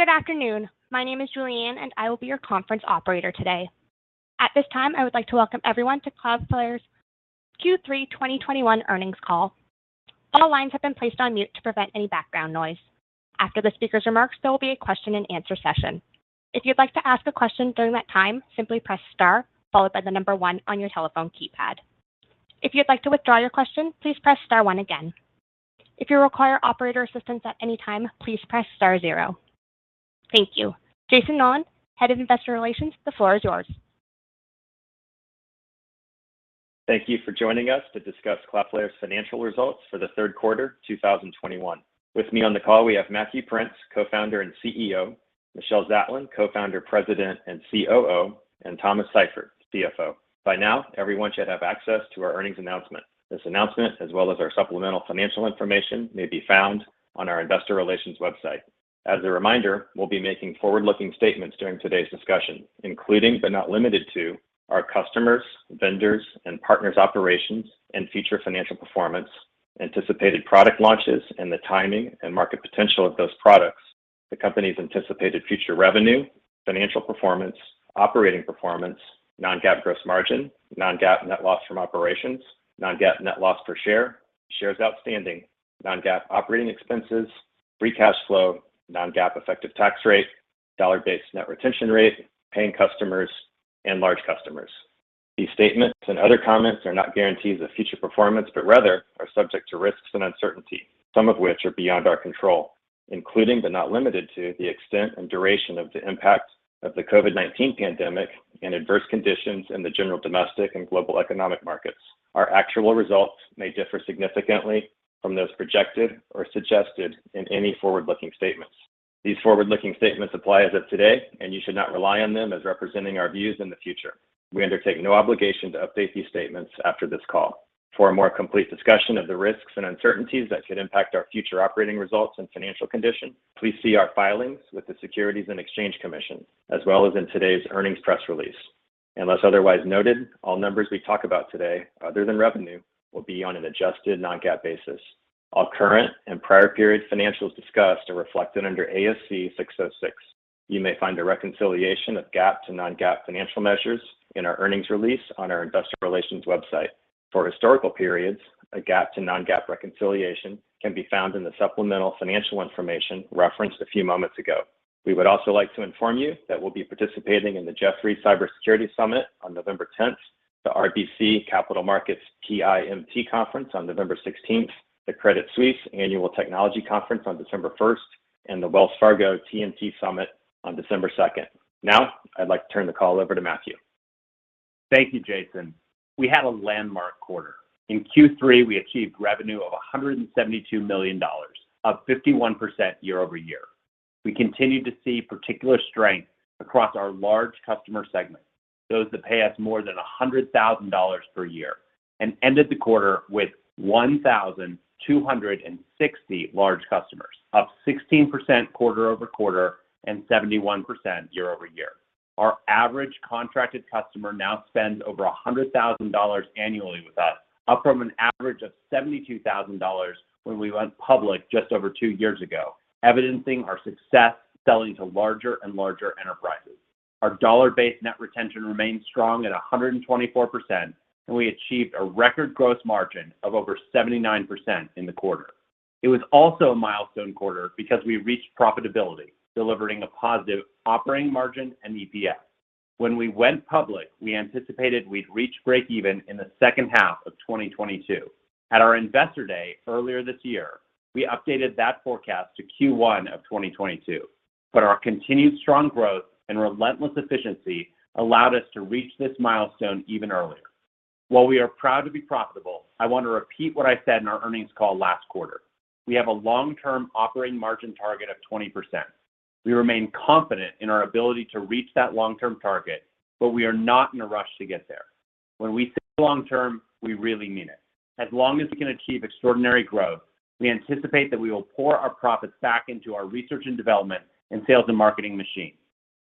Good afternoon. My name is Julianne, and I will be your conference operator today. At this time, I would like to welcome everyone to Cloudflare's Q3 2021 earnings call. All lines have been placed on mute to prevent any background noise. After the speaker's remarks, there will be a question and answer session. If you'd like to ask a question during that time, simply press star followed by the number one on your telephone keypad. If you'd like to withdraw your question, please press star one again. If you require operator assistance at any time, please press star zero. Thank you. Jayson Noland, Head of Investor Relations, the floor is yours. Thank you for joining us to discuss Cloudflare's financial results for the third quarter 2021. With me on the call we have Matthew Prince, Co-Founder and CEO, Michelle Zatlyn, Co-Founder, President, and COO, and Thomas Seifert, CFO. By now, everyone should have access to our earnings announcement. This announcement, as well as our supplemental financial information, may be found on our investor relations website. As a reminder, we'll be making forward-looking statements during today's discussion, including but not limited to our customers, vendors, and partners' operations and future financial performance, anticipated product launches and the timing and market potential of those products, the company's anticipated future revenue, financial performance, operating performance, non-GAAP gross margin, non-GAAP net loss from operations, non-GAAP net loss per share, shares outstanding, non-GAAP operating expenses, free cash flow, non-GAAP effective tax rate, dollar-based net retention rate, paying customers, and large customers. These statements and other comments are not guarantees of future performance, but rather are subject to risks and uncertainty, some of which are beyond our control, including but not limited to the extent and duration of the impact of the COVID-19 pandemic and adverse conditions in the general domestic and global economic markets. Our actual results may differ significantly from those projected or suggested in any forward-looking statements. These forward-looking statements apply as of today, and you should not rely on them as representing our views in the future. We undertake no obligation to update these statements after this call. For a more complete discussion of the risks and uncertainties that could impact our future operating results and financial condition, please see our filings with the Securities and Exchange Commission, as well as in today's earnings press release. Unless otherwise noted, all numbers we talk about today other than revenue will be on an adjusted non-GAAP basis. All current and prior period financials discussed are reflected under ASC 606. You may find a reconciliation of GAAP to non-GAAP financial measures in our earnings release on our investor relations website. For historical periods, a GAAP to non-GAAP reconciliation can be found in the supplemental financial information referenced a few moments ago. We would also like to inform you that we'll be participating in the Jefferies Cybersecurity Summit on November tenth, the RBC Capital Markets TIMT conference on November sixteenth, the Credit Suisse Annual Technology Conference on December first, and the Wells Fargo TMT Summit on December second. Now, I'd like to turn the call over to Matthew. Thank you, Jayson. We had a landmark quarter. In Q3, we achieved revenue of $172 million, up 51% year-over-year. We continued to see particular strength across our large customer segment, those that pay us more than $100,000 per year, and ended the quarter with 1,260 large customers, up 16% quarter-over-quarter and 71% year-over-year. Our average contracted customer now spends over $100,000 annually with us, up from an average of $72,000 when we went public just over 2 years ago, evidencing our success selling to larger and larger enterprises. Our dollar-based net retention remains strong at 124%, and we achieved a record gross margin of over 79% in the quarter. It was also a milestone quarter because we reached profitability, delivering a positive operating margin and EPS. When we went public, we anticipated we'd reach breakeven in the second half of 2022. At our Investor Day earlier this year, we updated that forecast to Q1 of 2022. Our continued strong growth and relentless efficiency allowed us to reach this milestone even earlier. While we are proud to be profitable, I want to repeat what I said in our earnings call last quarter. We have a long-term operating margin target of 20%. We remain confident in our ability to reach that long-term target, but we are not in a rush to get there. When we say long term, we really mean it. As long as we can achieve extraordinary growth, we anticipate that we will pour our profits back into our research and development and sales and marketing machine.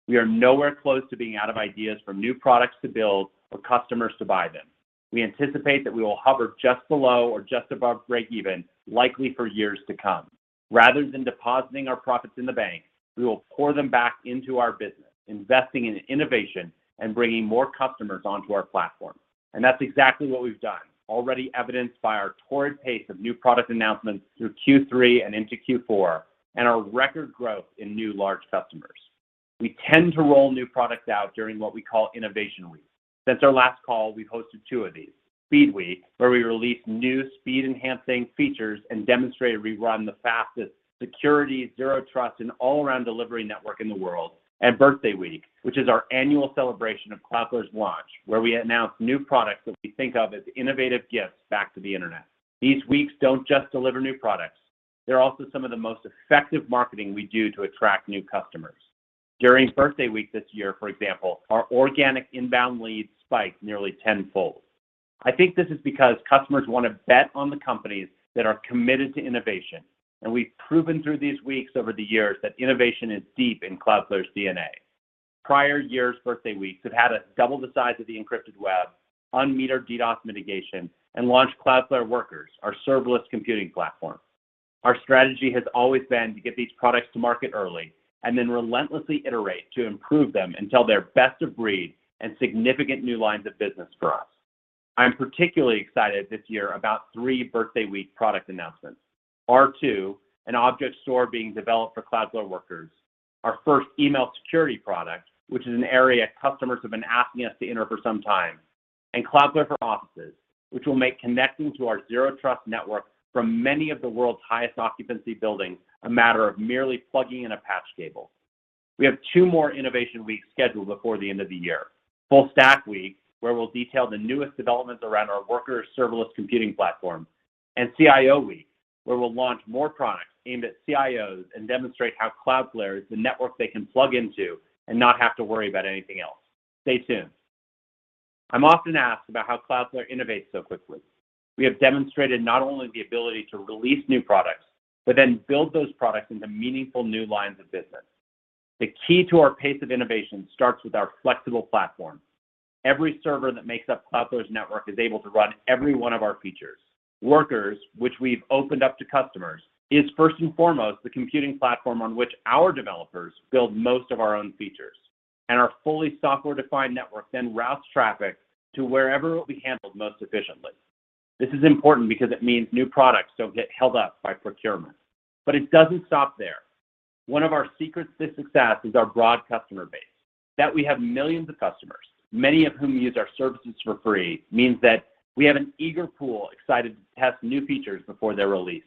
We are nowhere close to being out of ideas for new products to build or customers to buy them. We anticipate that we will hover just below or just above breakeven, likely for years to come. Rather than depositing our profits in the bank, we will pour them back into our business, investing in innovation and bringing more customers onto our platform. That's exactly what we've done, already evidenced by our torrid pace of new product announcements through Q3 and into Q4 and our record growth in new large customers. We tend to roll new products out during what we call innovation week. Since our last call, we've hosted two of these. Speed Week, where we release new speed-enhancing features and demonstrate we run the fastest security, Zero Trust, and all-around delivery network in the world, and Birthday Week, which is our annual celebration of Cloudflare's launch, where we announce new products that we think of as innovative gifts back to the internet. These weeks don't just deliver new products. They're also some of the most effective marketing we do to attract new customers. During Birthday Week this year, for example, our organic inbound leads spiked nearly tenfold. I think this is because customers want to bet on the companies that are committed to innovation, and we've proven through these weeks over the years that innovation is deep in Cloudflare's DNA. Prior years' Birthday Weeks have had us double the size of the encrypted web, unmetered DDoS mitigation, and launch Cloudflare Workers, our serverless computing platform. Our strategy has always been to get these products to market early and then relentlessly iterate to improve them until they're best of breed and significant new lines of business for us. I'm particularly excited this year about three Birthday Week product announcements. R2, an object store being developed for Cloudflare Workers, our first email security product, which is an area customers have been asking us to enter for some time, and Cloudflare for Offices, which will make connecting to our Zero Trust network from many of the world's highest occupancy buildings a matter of merely plugging in a patch cable. We have two more innovation weeks scheduled before the end of the year, Full Stack Week, where we'll detail the newest developments around our Workers serverless computing platform, and CIO Week, where we'll launch more products aimed at CIOs and demonstrate how Cloudflare is the network they can plug into and not have to worry about anything else. Stay tuned. I'm often asked about how Cloudflare innovates so quickly. We have demonstrated not only the ability to release new products, but then build those products into meaningful new lines of business. The key to our pace of innovation starts with our flexible platform. Every server that makes up Cloudflare's network is able to run every one of our features. Workers, which we've opened up to customers, is first and foremost the computing platform on which our developers build most of our own features, and our fully software-defined network then routes traffic to wherever it will be handled most efficiently. This is important because it means new products don't get held up by procurement. It doesn't stop there. One of our secrets to success is our broad customer base. We have millions of customers, many of whom use our services for free, means that we have an eager pool excited to test new features before they're released.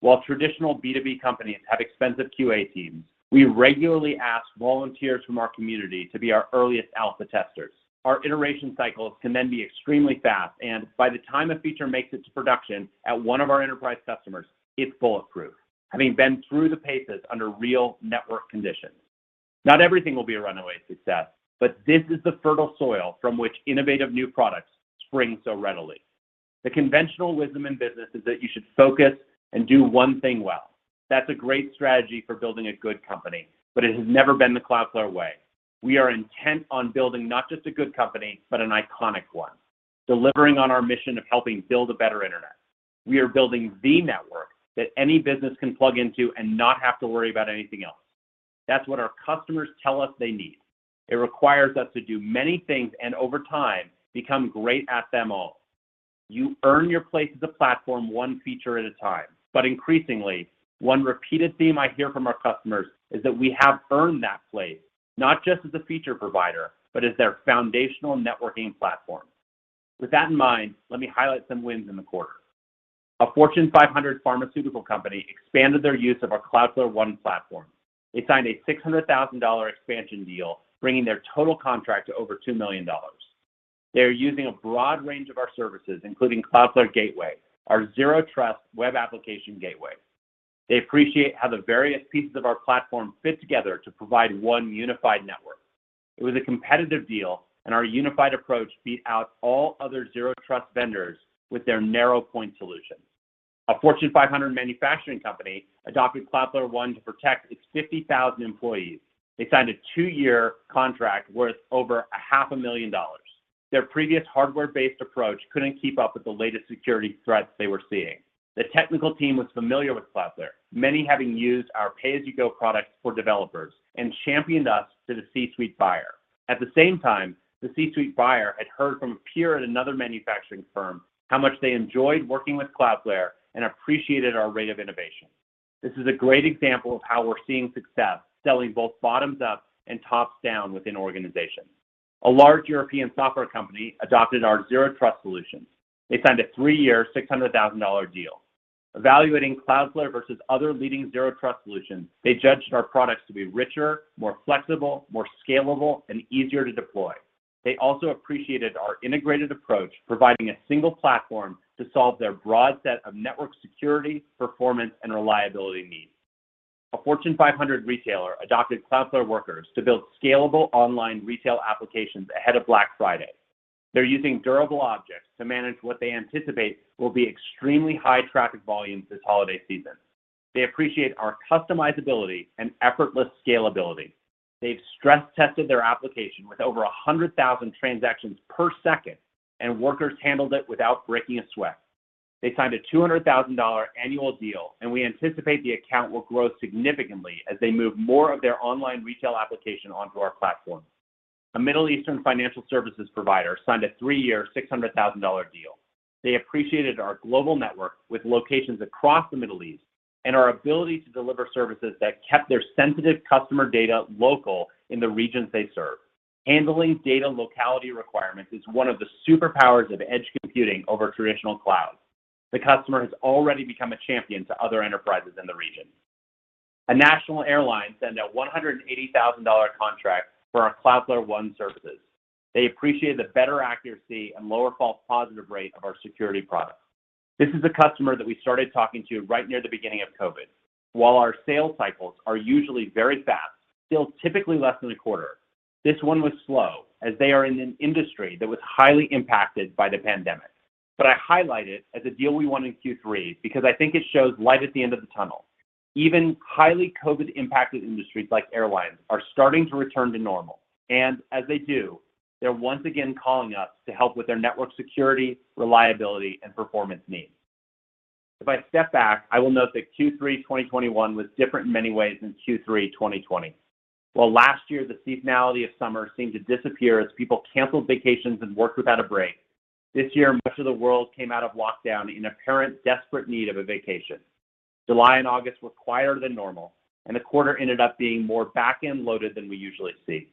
While traditional B2B companies have expensive QA teams, we regularly ask volunteers from our community to be our earliest alpha testers. Our iteration cycles can then be extremely fast, and by the time a feature makes it to production at one of our enterprise customers, it's bulletproof, having been through the paces under real network conditions. Not everything will be a runaway success, but this is the fertile soil from which innovative new products spring so readily. The conventional wisdom in business is that you should focus and do one thing well. That's a great strategy for building a good company, but it has never been the Cloudflare way. We are intent on building not just a good company, but an iconic one, delivering on our mission of helping build a better internet. We are building the network that any business can plug into and not have to worry about anything else. That's what our customers tell us they need. It requires us to do many things and over time, become great at them all. You earn your place as a platform one feature at a time. Increasingly, one repeated theme I hear from our customers is that we have earned that place, not just as a feature provider, but as their foundational networking platform. With that in mind, let me highlight some wins in the quarter. A Fortune 500 pharmaceutical company expanded their use of our Cloudflare One platform. They signed a $600,000 expansion deal, bringing their total contract to over $2 million. They are using a broad range of our services, including Cloudflare Gateway, our Zero Trust web application gateway. They appreciate how the various pieces of our platform fit together to provide one unified network. It was a competitive deal, and our unified approach beat out all other Zero Trust vendors with their narrow point solution. A Fortune 500 manufacturing company adopted Cloudflare One to protect its 50,000 employees. They signed a two-year contract worth over half a million dollars. Their previous hardware-based approach couldn't keep up with the latest security threats they were seeing. The technical team was familiar with Cloudflare, many having used our pay-as-you-go product for developers and championed us to the C-suite buyer. At the same time, the C-suite buyer had heard from a peer at another manufacturing firm how much they enjoyed working with Cloudflare and appreciated our rate of innovation. This is a great example of how we're seeing success selling both bottoms up and tops down within organizations. A large European software company adopted our Zero Trust solutions. They signed a three-year, $600,000 deal. Evaluating Cloudflare versus other leading Zero Trust solutions, they judged our products to be richer, more flexible, more scalable, and easier to deploy. They also appreciated our integrated approach, providing a single platform to solve their broad set of network security, performance, and reliability needs. A Fortune 500 retailer adopted Cloudflare Workers to build scalable online retail applications ahead of Black Friday. They're using Durable Objects to manage what they anticipate will be extremely high traffic volumes this holiday season. They appreciate our customizability and effortless scalability. They've stress tested their application with over 100,000 transactions per second, and Workers handled it without breaking a sweat. They signed a $200,000 annual deal, and we anticipate the account will grow significantly as they move more of their online retail application onto our platform. A Middle Eastern financial services provider signed a three-year, $600,000 deal. They appreciated our global network with locations across the Middle East and our ability to deliver services that kept their sensitive customer data local in the regions they serve. Handling data locality requirements is one of the superpowers of edge computing over traditional cloud. The customer has already become a champion to other enterprises in the region. A national airline signed a $180,000 contract for our Cloudflare One services. They appreciate the better accuracy and lower false positive rate of our security products. This is a customer that we started talking to right near the beginning of COVID. While our sales cycles are usually very fast, still typically less than a quarter, this one was slow as they are in an industry that was highly impacted by the pandemic. I highlight it as a deal we won in Q3 because I think it shows light at the end of the tunnel. Even highly COVID-impacted industries like airlines are starting to return to normal, and as they do, they're once again calling us to help with their network security, reliability, and performance needs. If I step back, I will note that Q3 2021 was different in many ways than Q3 2020. While last year, the seasonality of summer seemed to disappear as people canceled vacations and worked without a break, this year, much of the world came out of lockdown in apparent desperate need of a vacation. July and August were quieter than normal, and the quarter ended up being more back-end loaded than we usually see.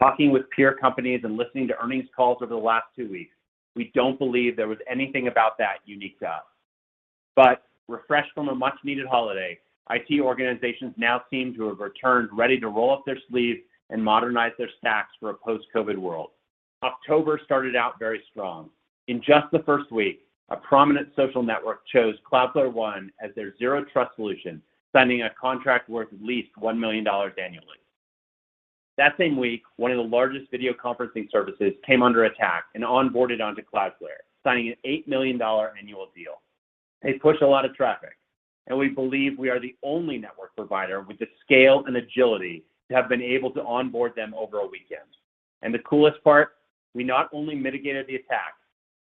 Talking with peer companies and listening to earnings calls over the last two weeks, we don't believe there was anything about that unique to us. Refreshed from a much-needed holiday, IT organizations now seem to have returned, ready to roll up their sleeves and modernize their stacks for a post-COVID world. October started out very strong. In just the first week, a prominent social network chose Cloudflare One as their Zero Trust solution, signing a contract worth at least $1 million annually. That same week, one of the largest video conferencing services came under attack and onboarded onto Cloudflare, signing an $8 million annual deal. They push a lot of traffic, and we believe we are the only network provider with the scale and agility to have been able to onboard them over a weekend. The coolest part, we not only mitigated the attack,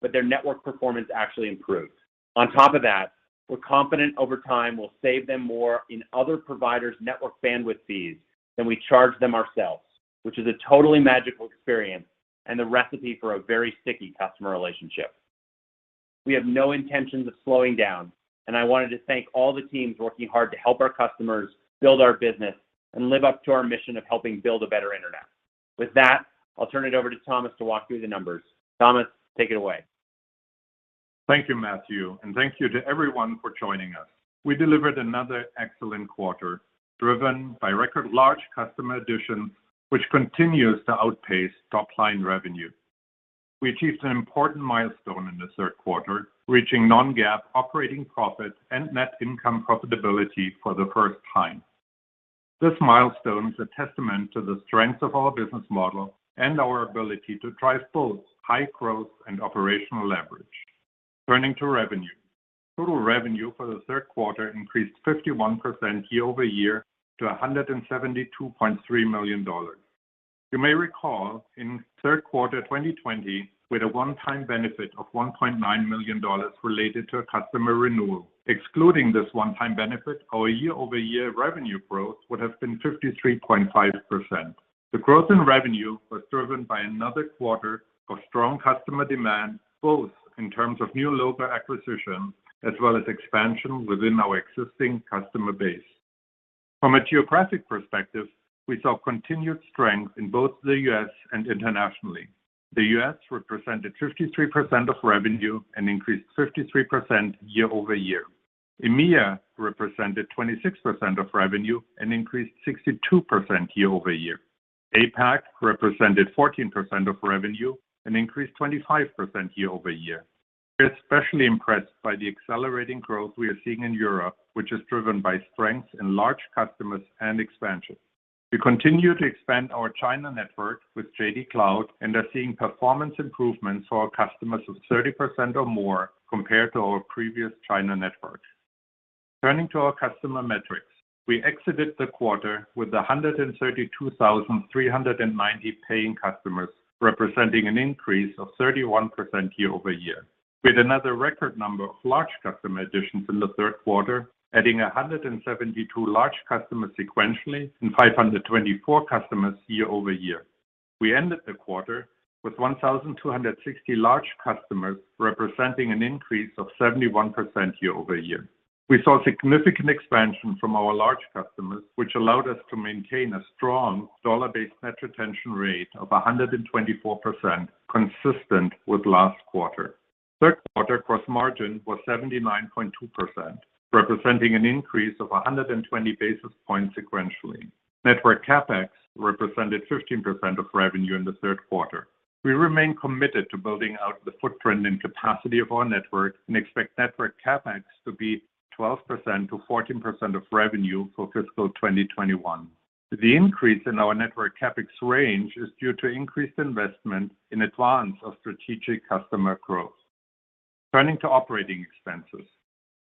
but their network performance actually improved. On top of that, we're confident over time we'll save them more in other providers' network bandwidth fees than we charge them ourselves, which is a totally magical experience and the recipe for a very sticky customer relationship. We have no intentions of slowing down, and I wanted to thank all the teams working hard to help our customers build our business and live up to our mission of helping build a better internet. With that, I'll turn it over to Thomas to walk through the numbers. Thomas, take it away. Thank you, Matthew, and thank you to everyone for joining us. We delivered another excellent quarter, driven by record large customer additions, which continues to outpace top-line revenue. We achieved an important milestone in the third quarter, reaching non-GAAP operating profit and net income profitability for the first time. This milestone is a testament to the strength of our business model and our ability to drive both high growth and operational leverage. Turning to revenue, total revenue for the third quarter increased 51% year-over-year to $172.3 million. You may recall in third quarter 2020, we had a one-time benefit of $1.9 million related to a customer renewal. Excluding this one-time benefit, our year-over-year revenue growth would have been 53.5%. The growth in revenue was driven by another quarter of strong customer demand, both in terms of new logo acquisition as well as expansion within our existing customer base. From a geographic perspective, we saw continued strength in both the U.S. and internationally. The U.S. represented 53% of revenue and increased 53% year-over-year. EMEA represented 26% of revenue and increased 62% year-over-year. APAC represented 14% of revenue and increased 25% year-over-year. We're especially impressed by the accelerating growth we are seeing in Europe, which is driven by strength in large customers and expansions. We continue to expand our China network with JD Cloud and are seeing performance improvements for our customers of 30% or more compared to our previous China network. Turning to our customer metrics, we exited the quarter with 132,390 paying customers, representing an increase of 31% year-over-year. We had another record number of large customer additions in the third quarter, adding 172 large customers sequentially and 524 customers year-over-year. We ended the quarter with 1,260 large customers, representing an increase of 71% year-over-year. We saw significant expansion from our large customers, which allowed us to maintain a strong dollar-based net retention rate of 124%, consistent with last quarter. Third quarter gross margin was 79.2%, representing an increase of 120 basis points sequentially. Network CapEx represented 15% of revenue in the third quarter. We remain committed to building out the footprint and capacity of our network and expect network CapEx to be 12%-14% of revenue for fiscal 2021. The increase in our network CapEx range is due to increased investment in advance of strategic customer growth. Turning to operating expenses.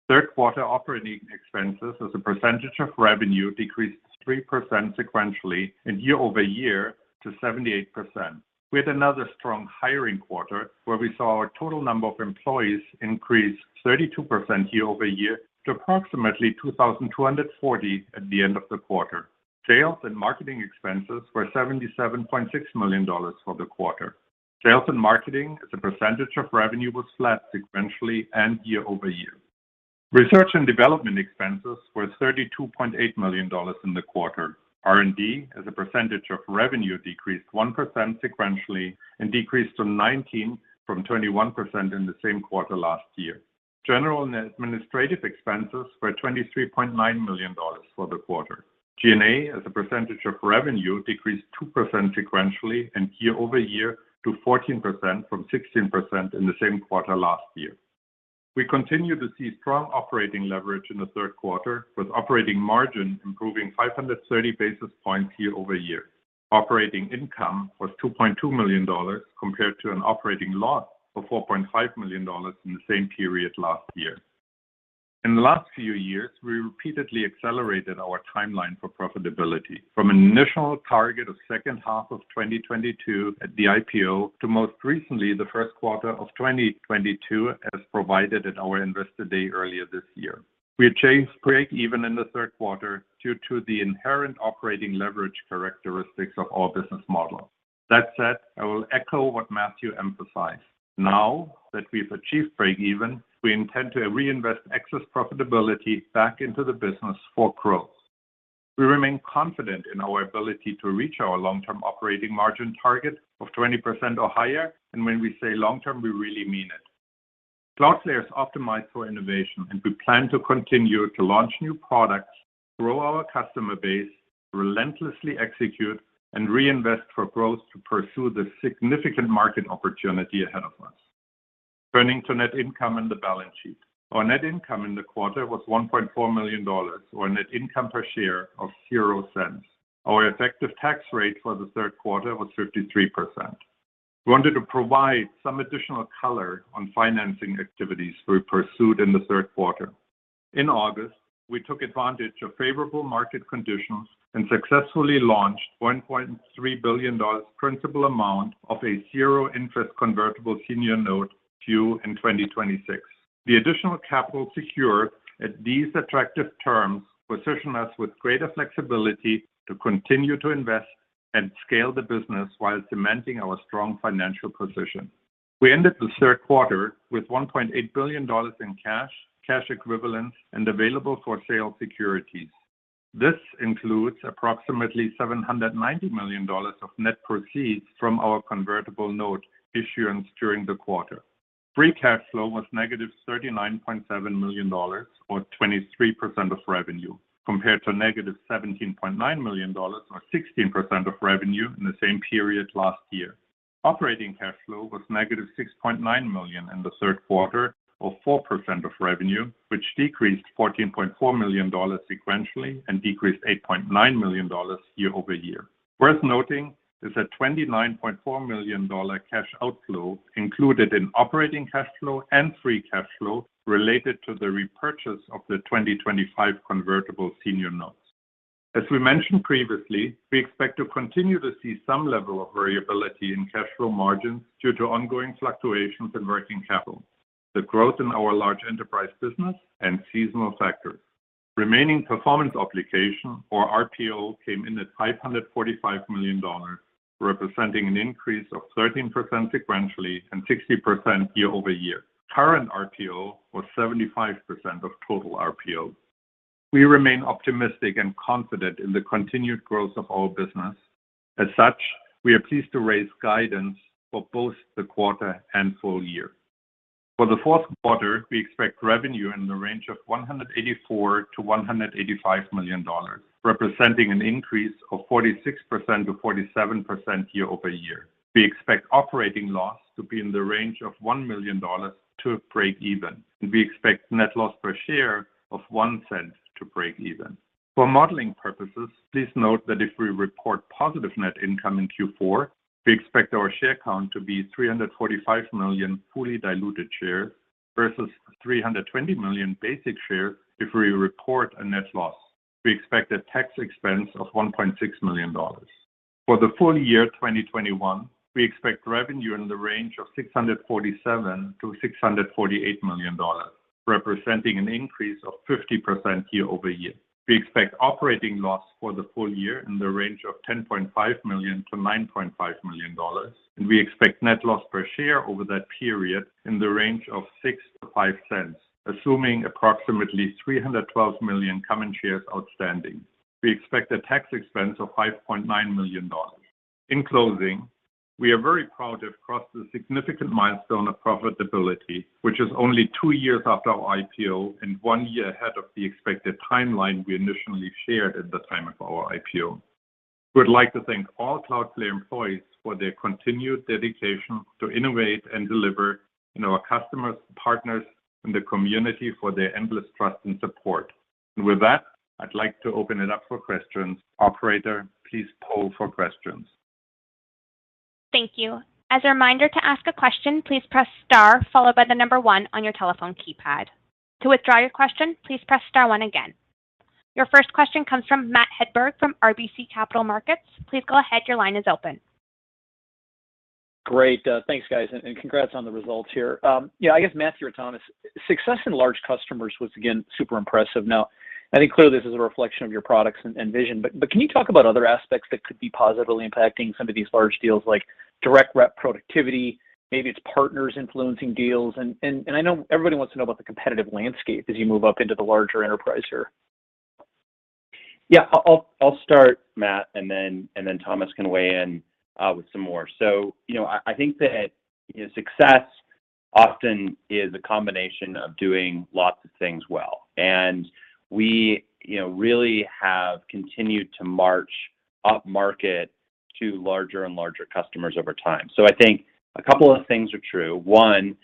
Third quarter operating expenses as a percentage of revenue decreased 3% sequentially and year-over-year to 78%. We had another strong hiring quarter where we saw our total number of employees increase 32% year-over-year to approximately 2,240 at the end of the quarter. Sales and marketing expenses were $77.6 million for the quarter. Sales and marketing as a percentage of revenue was flat sequentially and year-over-year. Research and development expenses were $32.8 million in the quarter. R&D as a percentage of revenue decreased 1% sequentially and decreased to 19% from 21% in the same quarter last year. General and administrative expenses were $23.9 million for the quarter. G&A as a percentage of revenue decreased 2% sequentially and year-over-year to 14% from 16% in the same quarter last year. We continue to see strong operating leverage in the third quarter, with operating margin improving 530 basis points year over year. Operating income was $2.2 million compared to an operating loss of $4.5 million in the same period last year. In the last few years, we repeatedly accelerated our timeline for profitability from an initial target of second half of 2022 at the IPO to most recently the first quarter of 2022 as provided at our Investor Day earlier this year. We achieved breakeven in the third quarter due to the inherent operating leverage characteristics of our business model. That said, I will echo what Matthew emphasized. Now that we've achieved breakeven, we intend to reinvest excess profitability back into the business for growth. We remain confident in our ability to reach our long-term operating margin target of 20% or higher, and when we say long-term, we really mean it. Cloudflare is optimized for innovation, and we plan to continue to launch new products, grow our customer base, relentlessly execute, and reinvest for growth to pursue the significant market opportunity ahead of us. Turning to net income and the balance sheet. Our net income in the quarter was $1.4 million, or a net income per share of 0 cents. Our effective tax rate for the third quarter was 53%. We wanted to provide some additional color on financing activities we pursued in the third quarter. In August, we took advantage of favorable market conditions and successfully launched $1.3 billion principal amount of a zero-interest convertible senior note due in 2026. The additional capital secured at these attractive terms position us with greater flexibility to continue to invest and scale the business while cementing our strong financial position. We ended the third quarter with $1.8 billion in cash equivalents, and available-for-sale securities. This includes approximately $790 million of net proceeds from our convertible note issuance during the quarter. Free cash flow was negative $39.7 million, or 23% of revenue, compared to negative $17.9 million, or 16% of revenue in the same period last year. Operating cash flow was negative $6.9 million in the third quarter, or 4% of revenue, which decreased $14.4 million sequentially and decreased $8.9 million year-over-year. Worth noting is that $29.4 million cash outflow included in operating cash flow and free cash flow related to the repurchase of the 2025 convertible senior notes. As we mentioned previously, we expect to continue to see some level of variability in cash flow margins due to ongoing fluctuations in working capital, the growth in our large enterprise business and seasonal factors. Remaining performance obligation or RPO came in at $545 million, representing an increase of 13% sequentially and 60% year-over-year. Current RPO was 75% of total RPO. We remain optimistic and confident in the continued growth of our business. As such, we are pleased to raise guidance for both the quarter and full year. For the fourth quarter, we expect revenue in the range of $184 million-$185 million, representing an increase of 46%-47% year-over-year. We expect operating loss to be in the range of $1 million to breakeven, and we expect net loss per share of $0.01 to breakeven. For modeling purposes, please note that if we report positive net income in Q4, we expect our share count to be 345 million fully diluted shares versus 320 million basic shares if we report a net loss. We expect a tax expense of $1.6 million. For the full year 2021, we expect revenue in the range of $647 million-$648 million, representing an increase of 50% year-over-year. We expect operating loss for the full year in the range of $10.5 million-$9.5 million, and we expect net loss per share over that period in the range of $0.06-$0.05, assuming approximately 312 million common shares outstanding. We expect a tax expense of $5.9 million. In closing, we are very proud to have crossed the significant milestone of profitability, which is only two years after our IPO and one year ahead of the expected timeline we initially shared at the time of our IPO. We would like to thank all Cloudflare employees for their continued dedication to innovate and deliver and our customers, partners, and the community for their endless trust and support. With that, I'd like to open it up for questions. Operator, please poll for questions. Thank you. As a reminder to ask a question, please press star followed by the number one on your telephone keypad. To withdraw your question, please press star one again. Your first question comes from Matt Hedberg from RBC Capital Markets. Please go ahead. Your line is open. Great. Thanks, guys, and congrats on the results here. Yeah, I guess Matthew or Thomas, success in large customers was again super impressive. Now, I think clearly this is a reflection of your products and vision, but can you talk about other aspects that could be positively impacting some of these large deals, like direct rep productivity, maybe it's partners influencing deals? I know everybody wants to know about the competitive landscape as you move up into the larger enterprise here. I'll start, Matt, and then Thomas can weigh in with some more. You know, I think that success often is a combination of doing lots of things well, and we, you know, really have continued to march upmarket to larger and larger customers over time. I think a couple of things are true. One,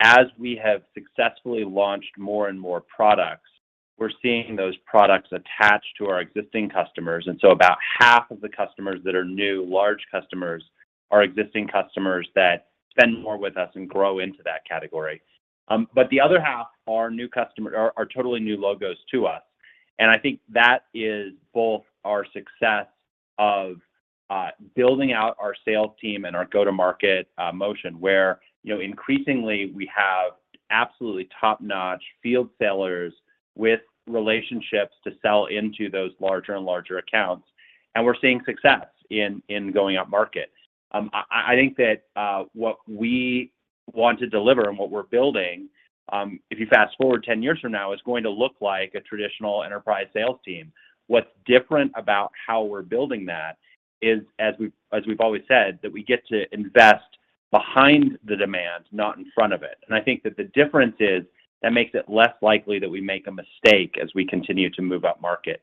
as we have successfully launched more and more products, we're seeing those products attach to our existing customers, and so about half of the customers that are new, large customers, are existing customers that spend more with us and grow into that category. But the other half are totally new logos to us. I think that is both our success of building out our sales team and our go-to-market motion, where you know, increasingly we have absolutely top-notch field sellers with relationships to sell into those larger and larger accounts, and we're seeing success in going upmarket. I think that what we want to deliver and what we're building, if you fast-forward 10 years from now, is going to look like a traditional enterprise sales team. What's different about how we're building that is, as we've always said, that we get to invest behind the demand, not in front of it. I think that the difference is that makes it less likely that we make a mistake as we continue to move upmarket.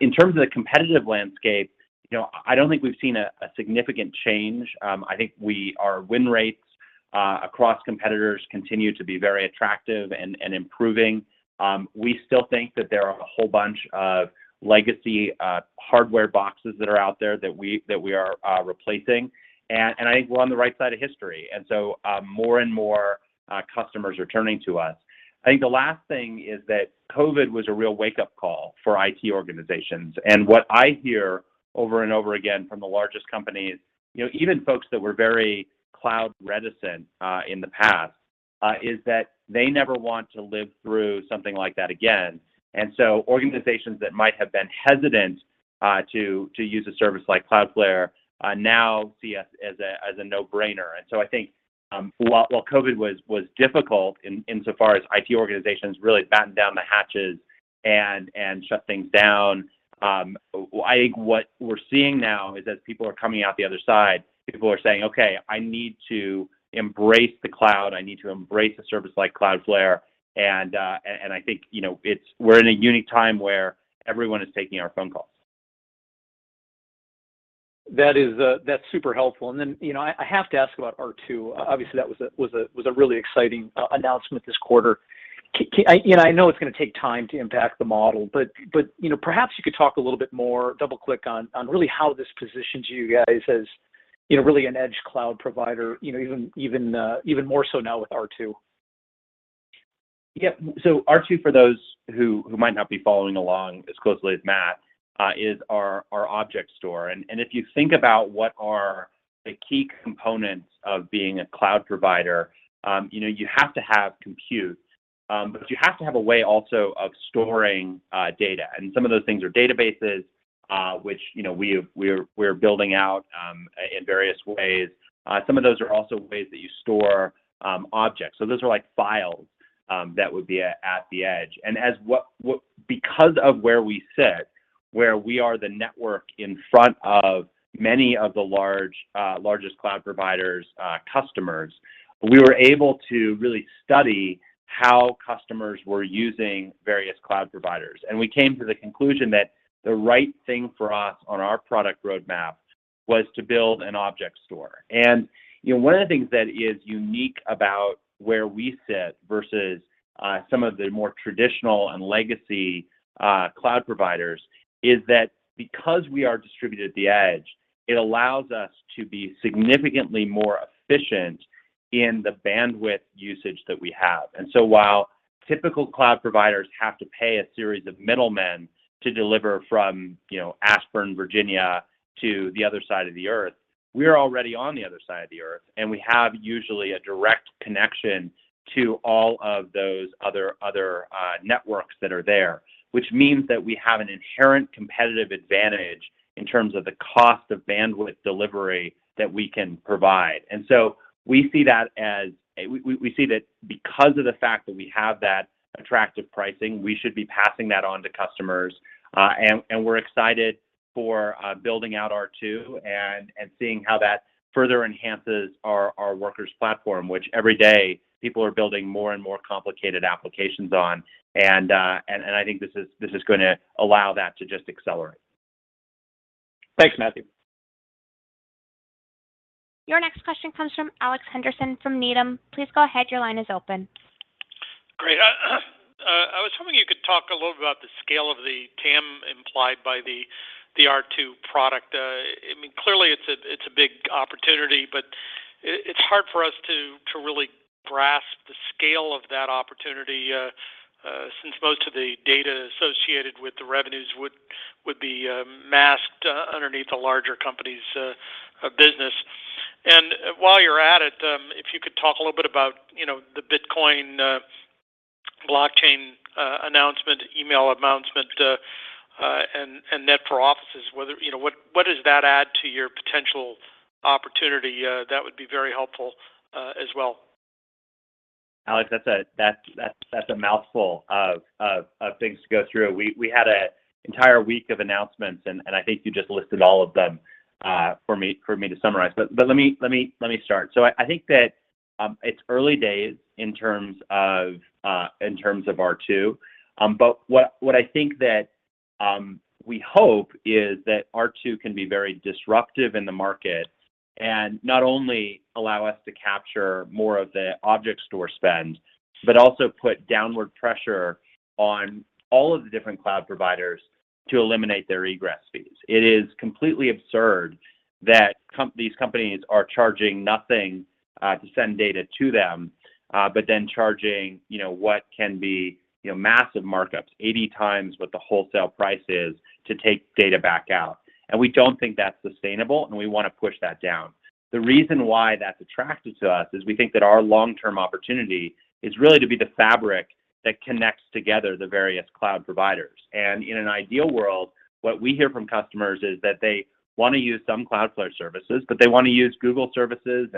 In terms of the competitive landscape, you know, I don't think we've seen a significant change. I think our win rates across competitors continue to be very attractive and improving. We still think that there are a whole bunch of legacy hardware boxes that are out there that we are replacing, and I think we're on the right side of history, and so more and more customers are turning to us. I think the last thing is that COVID was a real wake-up call for IT organizations, and what I hear over and over again from the largest companies, you know, even folks that were very cloud reticent in the past, is that they never want to live through something like that again. Organizations that might have been hesitant to use a service like Cloudflare now see us as a no-brainer. I think while COVID was difficult insofar as IT organizations really batten down the hatches and shut things down, I think what we're seeing now is, as people are coming out the other side, people are saying, "Okay, I need to embrace the cloud. I need to embrace a service like Cloudflare." I think, you know, it's. We're in a unique time where everyone is taking our phone calls. That is, that's super helpful. I have to ask about R2. Obviously that was a really exciting announcement this quarter. I know it's gonna take time to impact the model, but perhaps you could talk a little bit more, double-click on really how this positions you guys as really an edge cloud provider, even more so now with R2. Yeah. R2, for those who might not be following along as closely as Matt, is our object store. If you think about what are the key components of being a cloud provider, you have to have compute. But you have to have a way also of storing data, and some of those things are databases, which we're building out in various ways. Some of those are also ways that you store objects. Those are like files that would be at the edge. Because of where we sit, where we are the network in front of many of the largest cloud providers' customers, we were able to really study how customers were using various cloud providers. We came to the conclusion that the right thing for us on our product roadmap was to build an object store. You know, one of the things that is unique about where we sit versus some of the more traditional and legacy cloud providers is that because we are distributed at the edge, it allows us to be significantly more efficient in the bandwidth usage that we have. While typical cloud providers have to pay a series of middlemen to deliver from, you know, Ashburn, Virginia, to the other side of the earth, we're already on the other side of the earth, and we have usually a direct connection to all of those other networks that are there, which means that we have an inherent competitive advantage in terms of the cost of bandwidth delivery that we can provide. We see that because of the fact that we have that attractive pricing, we should be passing that on to customers. We're excited for building out R2 and seeing how that further enhances our Workers platform, which every day people are building more and more complicated applications on. I think this is gonna allow that to just accelerate. Thanks, Matthew. Your next question comes from Alex Henderson from Needham. Please go ahead, your line is open. Great. I was hoping you could talk a little about the scale of the TAM implied by the R2 product. I mean, clearly it's a big opportunity, but it's hard for us to really grasp the scale of that opportunity, since most of the data associated with the revenues would be masked underneath a larger company's business. While you're at it, if you could talk a little bit about, you know, the Bitcoin blockchain announcement, email announcement, and Cloudflare for Offices. Whether you know, what does that add to your potential opportunity? That would be very helpful, as well. Alex, that's a mouthful of things to go through. We had an entire week of announcements, and I think you just listed all of them for me to summarize. Let me start. I think it's early days in terms of R2. What I think that we hope is that R2 can be very disruptive in the market and not only allow us to capture more of the object store spend, but also put downward pressure on all of the different cloud providers to eliminate their egress fees. It is completely absurd that these companies are charging nothing to send data to them, but then charging, you know, what can be, you know, massive markups, 80 times what the wholesale price is to take data back out. We don't think that's sustainable, and we wanna push that down. The reason why that's attractive to us is we think that our long-term opportunity is really to be the fabric that connects together the various cloud providers. In an ideal world, what we hear from customers is that they wanna use some Cloudflare services, but they wanna use Google services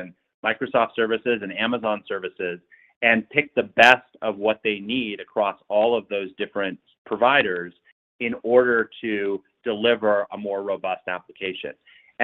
and Microsoft services and Amazon services and pick the best of what they need across all of those different providers in order to deliver a more robust application.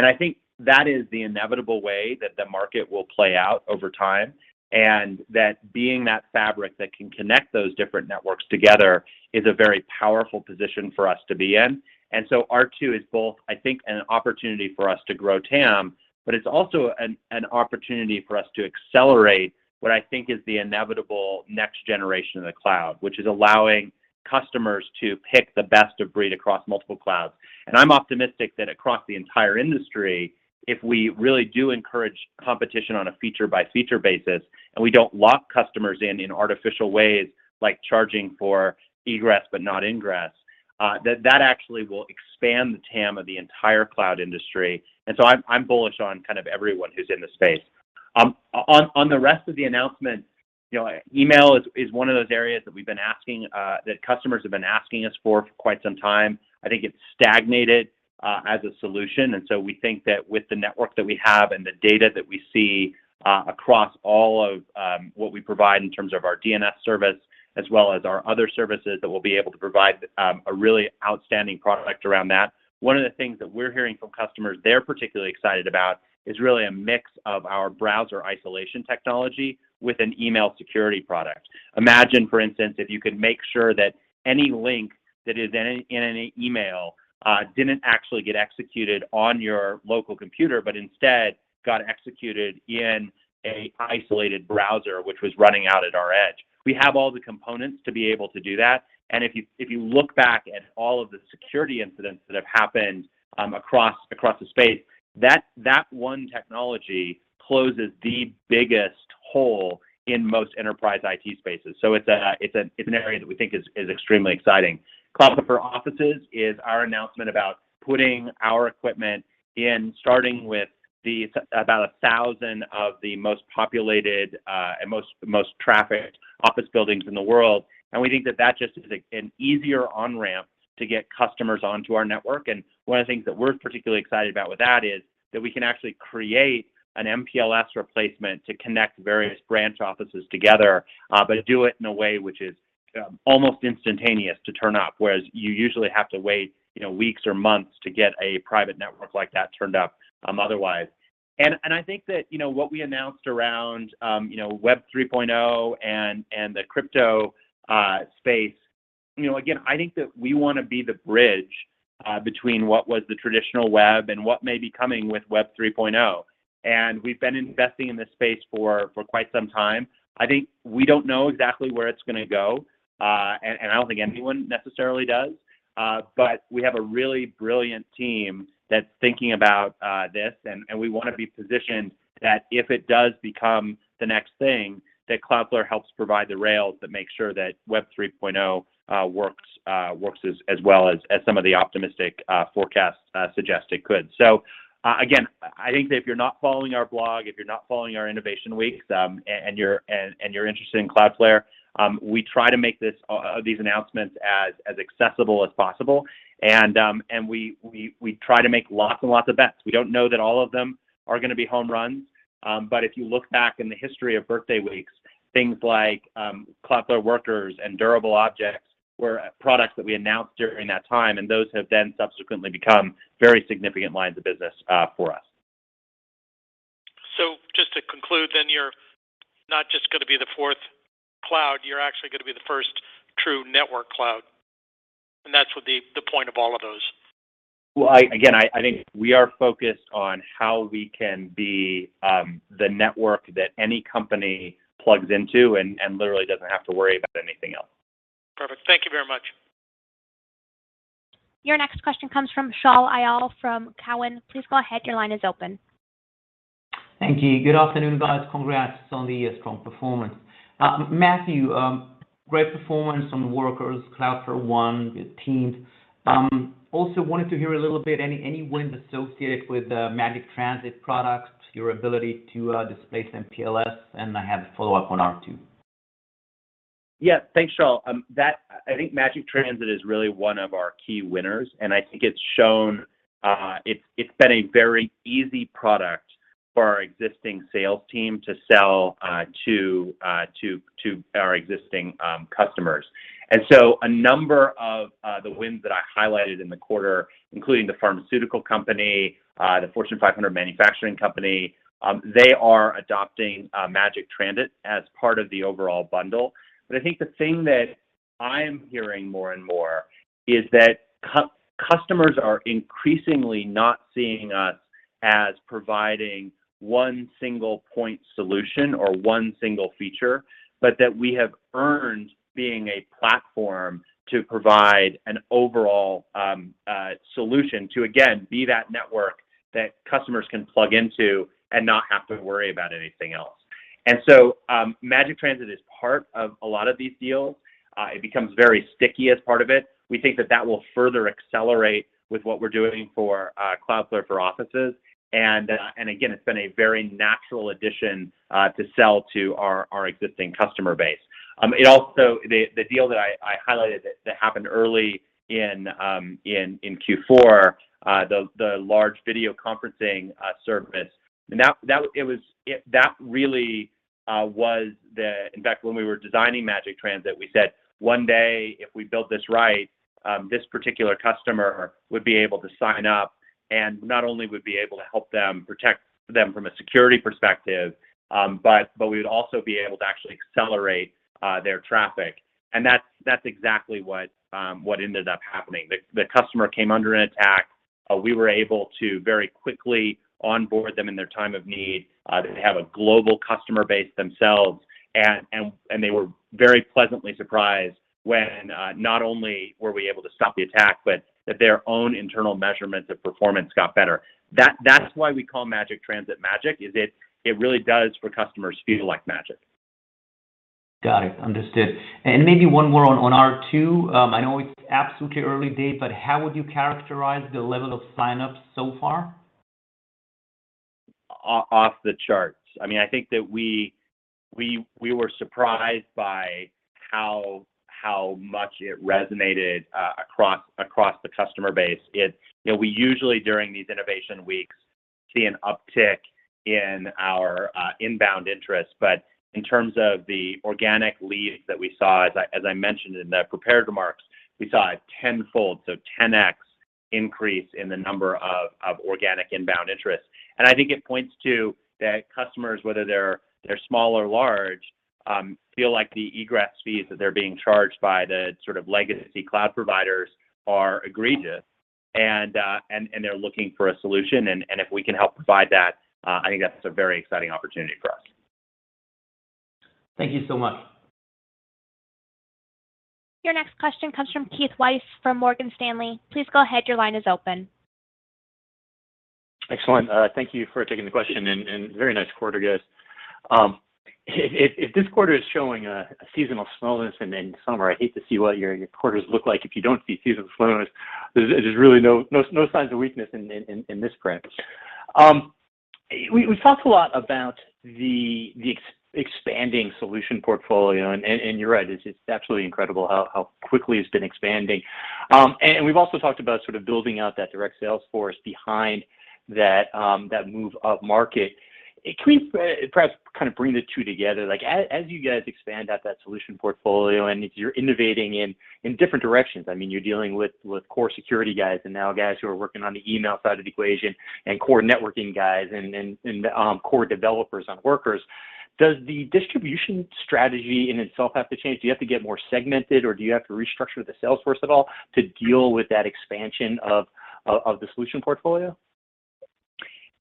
I think that is the inevitable way that the market will play out over time, and that being that fabric that can connect those different networks together is a very powerful position for us to be in. R2 is both, I think an opportunity for us to grow TAM, but it's also an opportunity for us to accelerate what I think is the inevitable next generation of the cloud, which is allowing customers to pick the best of breed across multiple clouds. I'm optimistic that across the entire industry, if we really do encourage competition on a feature by feature basis, and we don't lock customers in in artificial ways like charging for egress but not ingress, that that actually will expand the TAM of the entire cloud industry. I'm bullish on kind of everyone who's in the space. On the rest of the announcement, you know, email is one of those areas that customers have been asking us for quite some time. I think it's stagnated as a solution. We think that with the network that we have and the data that we see across all of what we provide in terms of our DNS service as well as our other services, that we'll be able to provide a really outstanding product around that. One of the things that we're hearing from customers they're particularly excited about is really a mix of our browser isolation technology with an email security product. Imagine, for instance, if you could make sure that any link that is in an email didn't actually get executed on your local computer, but instead got executed in an isolated browser, which was running out at our edge. We have all the components to be able to do that. If you look back at all of the security incidents that have happened across the space, that one technology closes the biggest hole in most enterprise IT spaces. It's an area that we think is extremely exciting. Cloudflare for Offices is our announcement about putting our equipment in, starting with about 1,000 of the most populated and most trafficked office buildings in the world. We think that that just is an easier on-ramp to get customers onto our network. One of the things that we're particularly excited about with that is that we can actually create an MPLS replacement to connect various branch offices together, but do it in a way which is almost instantaneous to turn up, whereas you usually have to wait, you know, weeks or months to get a private network like that turned up, otherwise. I think that, you know, what we announced around, you know, Web3 and the crypto space, you know, again, I think that we wanna be the bridge between what was the traditional web and what may be coming with Web3. We've been investing in this space for quite some time. I think we don't know exactly where it's gonna go, and I don't think anyone necessarily does. We have a really brilliant team that's thinking about this, and we wanna be positioned that if it does become the next thing, that Cloudflare helps provide the rails that make sure that Web3 works as well as some of the optimistic forecasts suggest it could. Again, I think that if you're not following our blog, if you're not following our innovation weeks, and you're interested in Cloudflare, we try to make these announcements as accessible as possible. We try to make lots and lots of bets. We don't know that all of them are gonna be home runs. If you look back in the history of Birthday Weeks, things like Cloudflare Workers and Durable Objects were products that we announced during that time, and those have then subsequently become very significant lines of business for us. Just to conclude then, you're not just gonna be the fourth cloud, you're actually gonna be the first true network cloud, and that's what the point of all of those. Well, again, I think we are focused on how we can be the network that any company plugs into and literally doesn't have to worry about anything else. Perfect. Thank you very much. Your next question comes from Shaul Eyal from Cowen. Please go ahead, your line is open. Thank you. Good afternoon, guys. Congrats on the strong performance. Matthew, great performance from the Workers, Cloudflare One, your teams. Also wanted to hear a little bit any wins associated with the Magic Transit product, your ability to displace MPLS, and I have a follow-up on R2. Yeah. Thanks, Shaul. I think Magic Transit is really one of our key winners, and I think it's shown, it's been a very easy product for our existing sales team to sell to our existing customers. A number of the wins that I highlighted in the quarter, including the pharmaceutical company, the Fortune 500 manufacturing company, they are adopting Magic Transit as part of the overall bundle. I think the thing that I'm hearing more and more is that customers are increasingly not seeing us as providing one single point solution or one single feature, but that we have earned being a platform to provide an overall solution to, again, be that network that customers can plug into and not have to worry about anything else. Magic Transit is part of a lot of these deals. It becomes very sticky as part of it. We think that will further accelerate with what we're doing for Cloudflare for Offices. It's been a very natural addition to sell to our existing customer base. The deal that I highlighted that happened early in Q4, the large video conferencing service. That really was the In fact, when we were designing Magic Transit, we said, "One day, if we build this right, this particular customer would be able to sign up, and not only would be able to help them protect them from a security perspective, but we would also be able to actually accelerate their traffic." That's exactly what ended up happening. The customer came under an attack, we were able to very quickly onboard them in their time of need. They have a global customer base themselves. They were very pleasantly surprised when, not only were we able to stop the attack, but that their own internal measurements of performance got better. That's why we call Magic Transit magic, is it really does for customers feel like magic. Got it. Understood. Maybe one more on R2. I know it's absolutely early days, but how would you characterize the level of signups so far? Off the charts. I mean, I think that we were surprised by how much it resonated across the customer base. It's. You know, we usually during these innovation weeks see an uptick in our inbound interest. In terms of the organic leads that we saw, as I mentioned in the prepared remarks, we saw a tenfold, so 10x increase in the number of organic inbound interest. I think it points to that customers, whether they're small or large, feel like the egress fees that they're being charged by the sort of legacy cloud providers are egregious and they're looking for a solution. If we can help provide that, I think that's a very exciting opportunity for us. Thank you so much. Your next question comes from Keith Weiss from Morgan Stanley. Please go ahead. Your line is open. Excellent. Thank you for taking the question, and very nice quarter, guys. If this quarter is showing a seasonal slowness and then summer, I'd hate to see what your quarters look like if you don't see seasonal slowness. There's really no signs of weakness in this print. We talked a lot about the expanding solution portfolio, and you're right. It's absolutely incredible how quickly it's been expanding. We've also talked about sort of building out that direct sales force behind that move up market. Can we perhaps kind of bring the two together? Like, as you guys expand out that solution portfolio, and if you're innovating in different directions, I mean, you're dealing with core security guys, and now guys who are working on the email side of the equation, and core networking guys, and core developers on Workers, does the distribution strategy in itself have to change? Do you have to get more segmented, or do you have to restructure the sales force at all to deal with that expansion of the solution portfolio?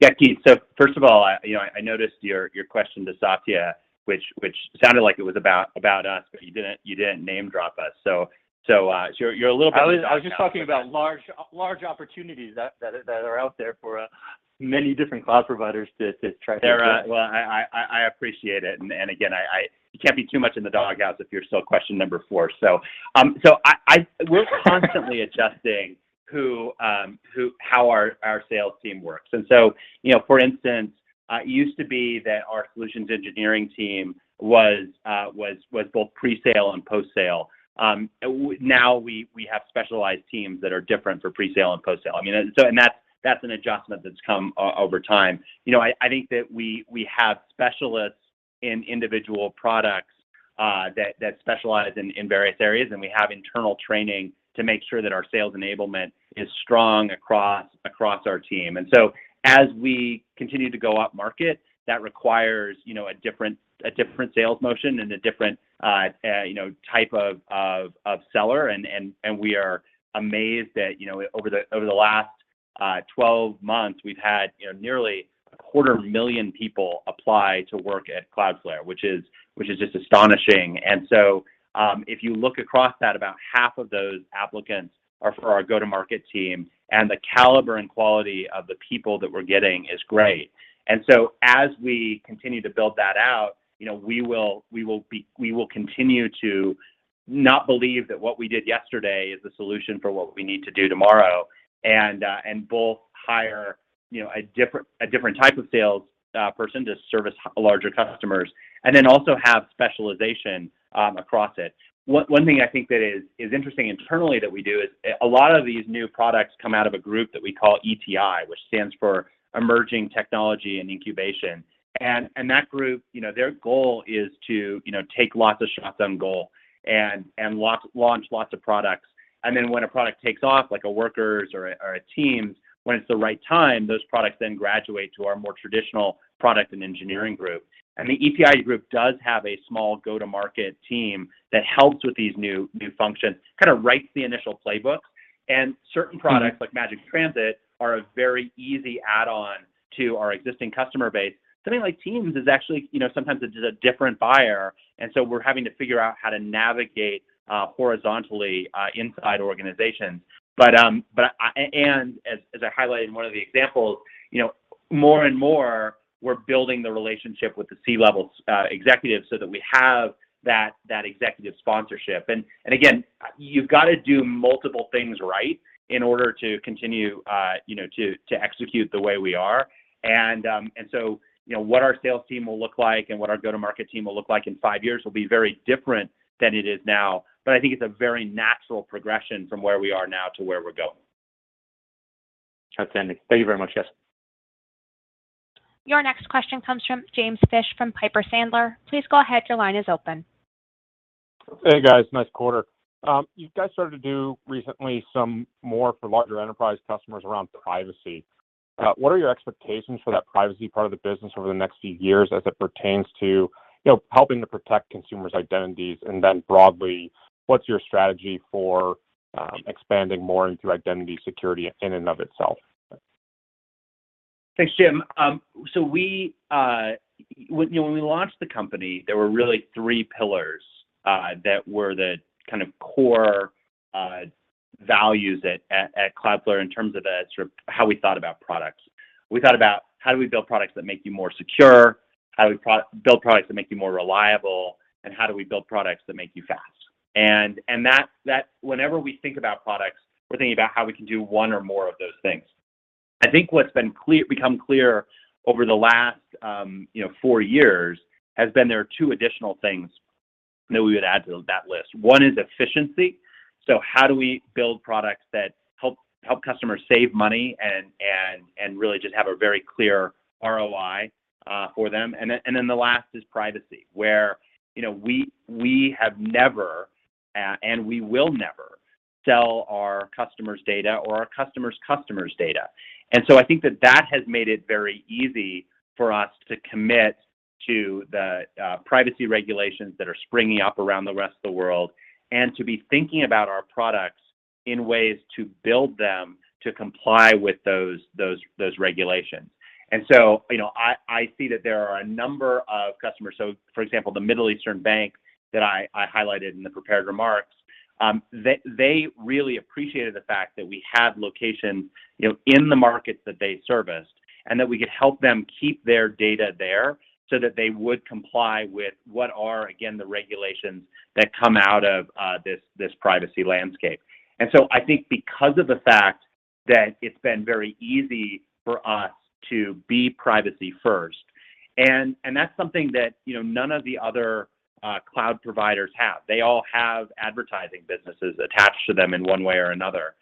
Yeah, Keith. First of all, you know, I noticed your question to Satya, which sounded like it was about us, but you didn't name drop us. You're a little bit- I was just talking about large opportunities that are out there for many different cloud providers to try to- There are. Well, I appreciate it. You can't be too much in the doghouse if you're still question number four. We're constantly adjusting how our sales team works. You know, for instance, it used to be that our solutions engineering team was both presale and post-sale. Now we have specialized teams that are different for presale and post-sale. I mean, that's an adjustment that's come over time. You know, I think that we have specialists in individual products that specialize in various areas, and we have internal training to make sure that our sales enablement is strong across our team. As we continue to go up market, that requires, you know, a different sales motion and a different, you know, type of seller. We are amazed that, you know, over the last 12 months, we've had, you know, nearly a quarter million people apply to work at Cloudflare, which is just astonishing. If you look across that, about half of those applicants are for our go-to-market team, and the caliber and quality of the people that we're getting is great. As we continue to build that out, you know, we will continue to not believe that what we did yesterday is the solution for what we need to do tomorrow. Both hire, you know, a different type of sales person to service larger customers. Also have specialization across it. One thing I think that is interesting internally that we do is a lot of these new products come out of a group that we call ETI, which stands for Emerging Technology and Incubation. That group, you know, their goal is to, you know, take lots of shots on goal and launch lots of products. When a product takes off, like a Workers or a Teams, when it's the right time, those products then graduate to our more traditional product and engineering group. The ETI group does have a small go-to-market team that helps with these new functions, kind of writes the initial playbook. Certain products Mm-hmm Like Magic Transit are a very easy add-on to our existing customer base. Something like Teams is actually, you know, sometimes it's a different buyer, and so we're having to figure out how to navigate horizontally inside organizations. As I highlighted in one of the examples, you know, more and more we're building the relationship with the C-level executives so that we have that executive sponsorship. Again, you've got to do multiple things right in order to continue, you know, to execute the way we are. You know, what our sales team will look like and what our go-to-market team will look like in five years will be very different than it is now. I think it's a very natural progression from where we are now to where we're going. Outstanding. Thank you very much, guys. Your next question comes from James Fish from Piper Sandler. Please go ahead, your line is open. Hey, guys, nice quarter. You guys started to do recently some more for larger enterprise customers around privacy. What are your expectations for that privacy part of the business over the next few years as it pertains to, you know, helping to protect consumers' identities? Broadly, what's your strategy for expanding more into identity security in and of itself? Thanks, Jim. We, when you know, when we launched the company, there were really three pillars that were the kind of core values at Cloudflare in terms of sort of how we thought about products. We thought about how do we build products that make you more secure? How do we build products that make you more reliable? And how do we build products that make you fast? That whenever we think about products, we're thinking about how we can do one or more of those things. I think what's become clear over the last you know, four years has been there are two additional things that we would add to that list. One is efficiency. How do we build products that help customers save money and really just have a very clear ROI for them. Then the last is privacy, where you know we have never and we will never sell our customers' data or our customers' customers' data. I think that has made it very easy for us to commit to the privacy regulations that are springing up around the rest of the world, and to be thinking about our products in ways to build them to comply with those regulations. You know I see that there are a number of customers. For example, the Middle Eastern bank that I highlighted in the prepared remarks, they really appreciated the fact that we had locations, you know, in the markets that they serviced, and that we could help them keep their data there so that they would comply with what are, again, the regulations that come out of this privacy landscape. I think because of the fact that it's been very easy for us to be privacy first, and that's something that, you know, none of the other cloud providers have. They all have advertising businesses attached to them in one way or another.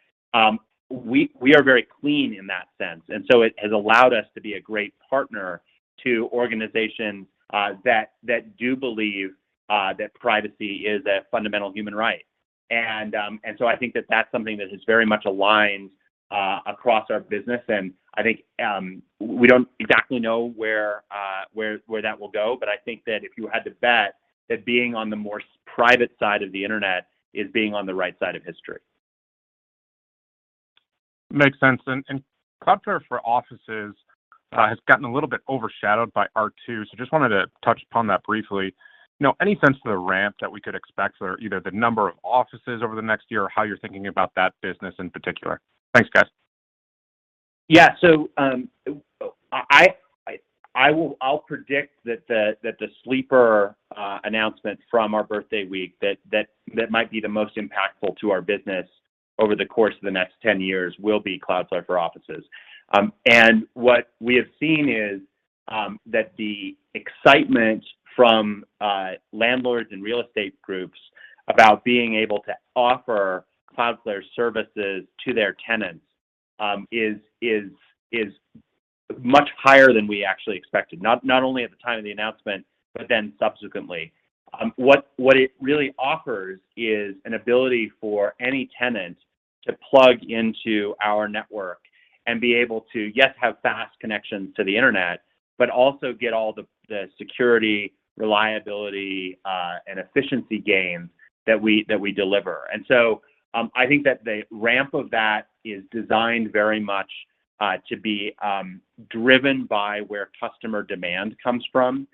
We are very clean in that sense, and so it has allowed us to be a great partner to organizations that do believe that privacy is a fundamental human right. I think that that's something that is very much aligned across our business. I think we don't exactly know where that will go. I think that if you had to bet that being on the more private side of the internet is being on the right side of history. Makes sense. Cloudflare for Offices has gotten a little bit overshadowed by R2, so just wanted to touch upon that briefly. You know, any sense of the ramp that we could expect for either the number of offices over the next year or how you're thinking about that business in particular? Thanks, guys. Yeah. I will predict that the sleeper announcement from our Birthday Week that might be the most impactful to our business over the course of the next 10 years will be Cloudflare for Offices. What we have seen is that the excitement from landlords and real estate groups about being able to offer Cloudflare's services to their tenants is much higher than we actually expected. Not only at the time of the announcement, but then subsequently. What it really offers is an ability for any tenant to plug into our network and be able to, yes, have fast connections to the internet, but also get all the security, reliability, and efficiency gains that we deliver. I think that the ramp of that is designed very much to be driven by where customer demand comes from.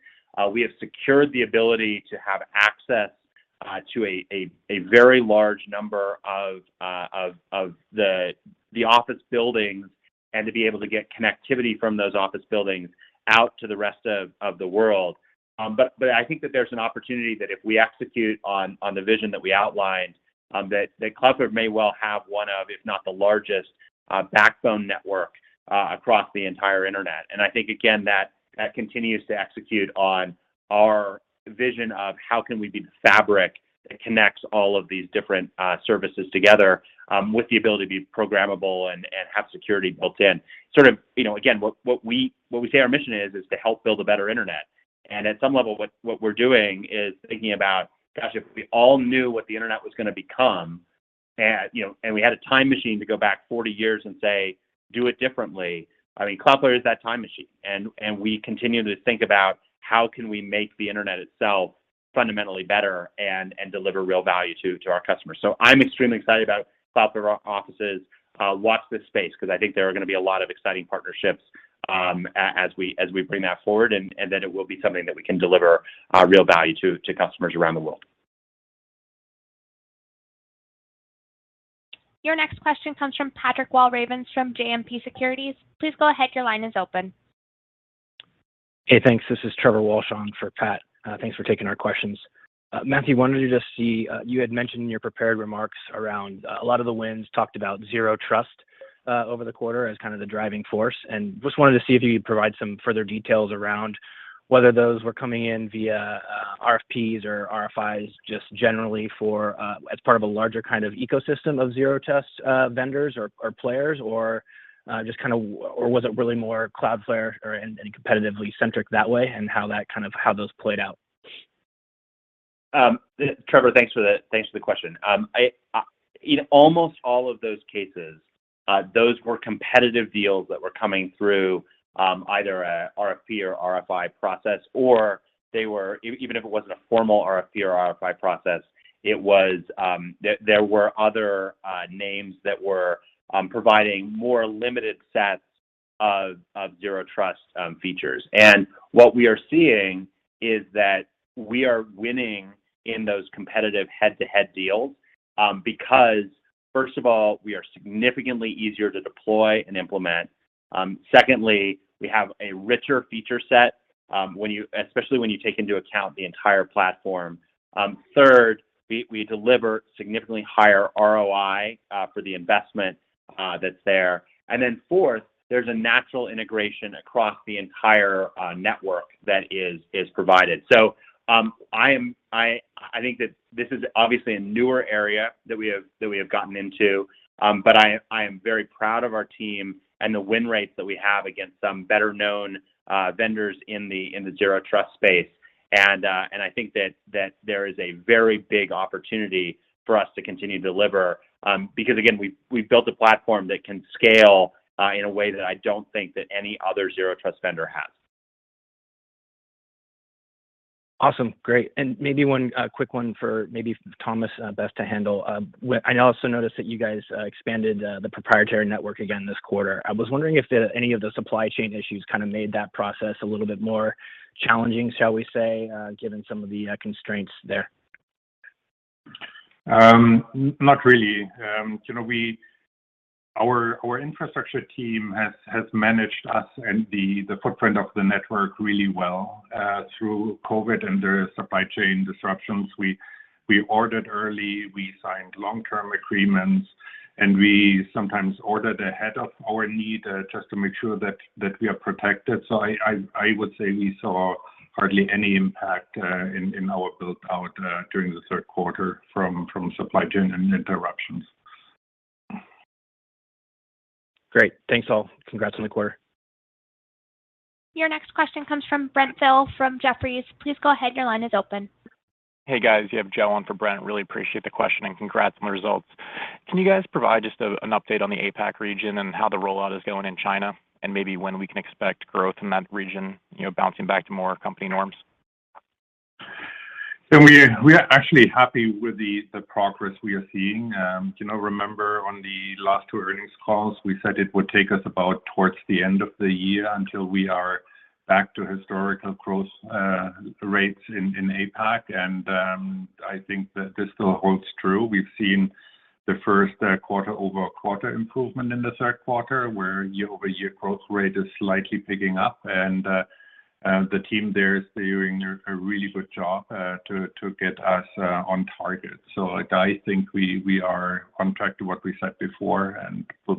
We have secured the ability to have access to a very large number of the office buildings and to be able to get connectivity from those office buildings out to the rest of the world. But I think that there's an opportunity that if we execute on the vision that we outlined, that Cloudflare may well have one of, if not the largest, backbone network across the entire internet. I think, again, that continues to execute on our vision of how can we be the fabric that connects all of these different services together, with the ability to be programmable and have security built in. Sort of, you know, again, what we say our mission is to help build a better internet. At some level what we're doing is thinking about, gosh, if we all knew what the internet was gonna become and, you know, and we had a time machine to go back forty years and say, "Do it differently," I mean, Cloudflare is that time machine. We continue to think about how can we make the internet itself fundamentally better and deliver real value to our customers. I'm extremely excited about Cloudflare offices. Watch this space 'cause I think there are gonna be a lot of exciting partnerships, as we bring that forward and then it will be something that we can deliver real value to customers around the world. Your next question comes from Patrick Walravens from JMP Securities. Please go ahead, your line is open. Hey, thanks. This is Trevor Walsh on for Pat. Thanks for taking our questions. Matthew, I wanted to just see you had mentioned in your prepared remarks around a lot of the wins, talked about Zero Trust over the quarter as kind of the driving force, and just wanted to see if you could provide some further details around whether those were coming in via RFPs or RFIs just generally for as part of a larger kind of ecosystem of Zero Trust vendors or players or just kind of or was it really more Cloudflare or and competitively centric that way and how those played out? Trevor, thanks for the question. In almost all of those cases, those were competitive deals that were coming through either a RFP or RFI process, or they were, even if it wasn't a formal RFP or RFI process, it was there were other names that were providing more limited sets of Zero Trust features. What we are seeing is that we are winning in those competitive head-to-head deals because first of all, we are significantly easier to deploy and implement. Secondly, we have a richer feature set, when you especially when you take into account the entire platform. Third, we deliver significantly higher ROI for the investment that's there. Fourth, there's a natural integration across the entire network that is provided. I think that this is obviously a newer area that we have gotten into. I am very proud of our team and the win rates that we have against some better-known vendors in the Zero Trust space. I think that there is a very big opportunity for us to continue to deliver, because again, we've built a platform that can scale in a way that I don't think that any other Zero Trust vendor has. Awesome. Great. Maybe one, a quick one for maybe Thomas, best to handle. I also noticed that you guys expanded the proprietary network again this quarter. I was wondering if any of the supply chain issues kind of made that process a little bit more challenging, shall we say, given some of the constraints there? Not really. You know, our infrastructure team has managed us and the footprint of the network really well through COVID and the supply chain disruptions. We ordered early, we signed long-term agreements, and we sometimes ordered ahead of our need just to make sure that we are protected. I would say we saw hardly any impact in our build-out during the third quarter from supply chain and interruptions. Great. Thanks, all. Congrats on the quarter. Your next question comes from Brent Thill from Jefferies. Please go ahead, your line is open. Hey, guys. You have Joe on for Brent. Really appreciate the question and congrats on the results. Can you guys provide just an update on the APAC region and how the rollout is going in China and maybe when we can expect growth in that region, you know, bouncing back to more company norms? We are actually happy with the progress we are seeing. You know, remember on the last two earnings calls, we said it would take us about towards the end of the year until we are back to historical growth rates in APAC and I think that this still holds true. We've seen the first quarter-over-quarter improvement in the third quarter, where year-over-year growth rate is slightly picking up and the team there is doing a really good job to get us on target. Like, I think we are on track to what we said before and we'll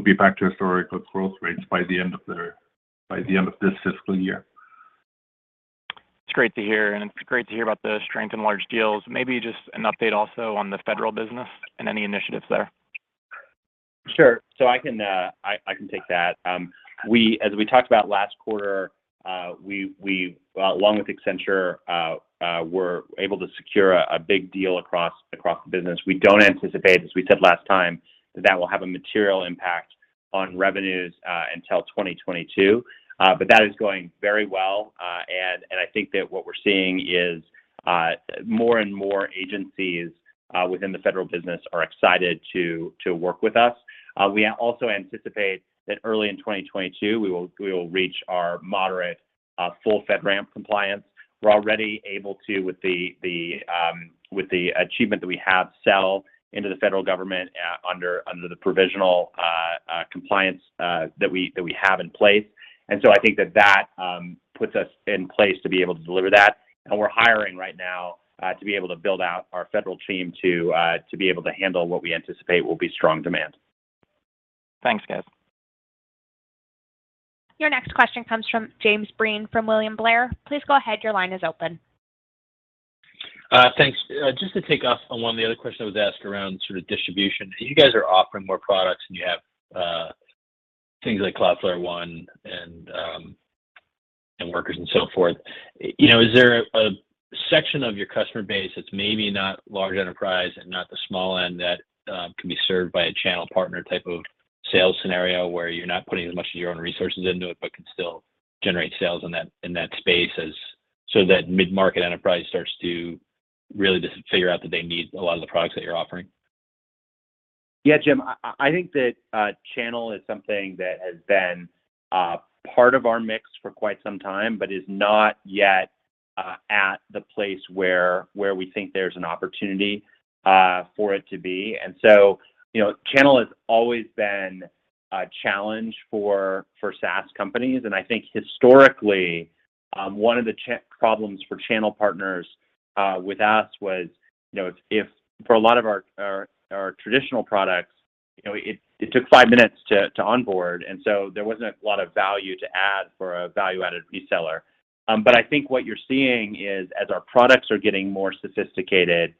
be back to historical growth rates by the end of this fiscal year. It's great to hear, and it's great to hear about the strength in large deals. Maybe just an update also on the federal business and any initiatives there. Sure. I can take that. We, as we talked about last quarter, along with Accenture, were able to secure a big deal across the business. We don't anticipate, as we said last time, that will have a material impact on revenues until 2022. That is going very well. I think that what we're seeing is more and more agencies within the federal business are excited to work with us. We also anticipate that early in 2022 we will reach our moderate full FedRAMP compliance. We're already able to, with the achievement that we have, sell into the federal government under the provisional compliance that we have in place. I think that puts us in place to be able to deliver that. We're hiring right now to be able to build out our federal team to be able to handle what we anticipate will be strong demand. Thanks, guys. Your next question comes from James Breen from William Blair. Please go ahead, your line is open. Thanks. Just to take off on one of the other questions that was asked around sort of distribution. You guys are offering more products, and you have things like Cloudflare One and Workers and so forth. You know, is there a section of your customer base that's maybe not large enterprise and not the small end that can be served by a channel partner type of sales scenario where you're not putting as much of your own resources into it but can still generate sales in that space so that mid-market enterprise starts to really just figure out that they need a lot of the products that you're offering? Yeah, Jim, I think that channel is something that has been part of our mix for quite some time but is not yet at the place where we think there's an opportunity for it to be. You know, channel has always been a challenge for SaaS companies. I think historically, one of the problems for channel partners with us was, you know, for a lot of our traditional products, you know, it took five minutes to onboard, and so there wasn't a lot of value to add for a value-added reseller. But I think what you're seeing is as our products are getting more sophisticated,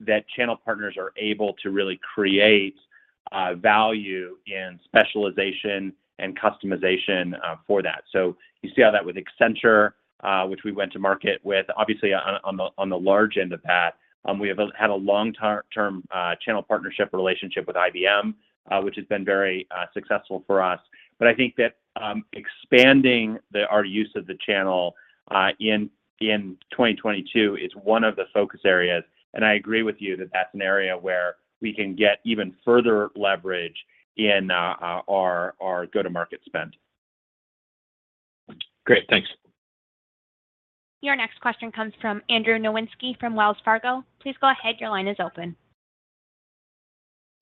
that channel partners are able to really create value and specialization and customization for that. You see how that with Accenture, which we went to market with, obviously on the large end of that. We have had a long-term channel partnership relationship with IBM, which has been very successful for us. I think that expanding our use of the channel in 2022 is one of the focus areas. I agree with you that that's an area where we can get even further leverage in our go-to-market spend. Great. Thanks. Your next question comes from Andrew Nowinski from Wells Fargo. Please go ahead, your line is open.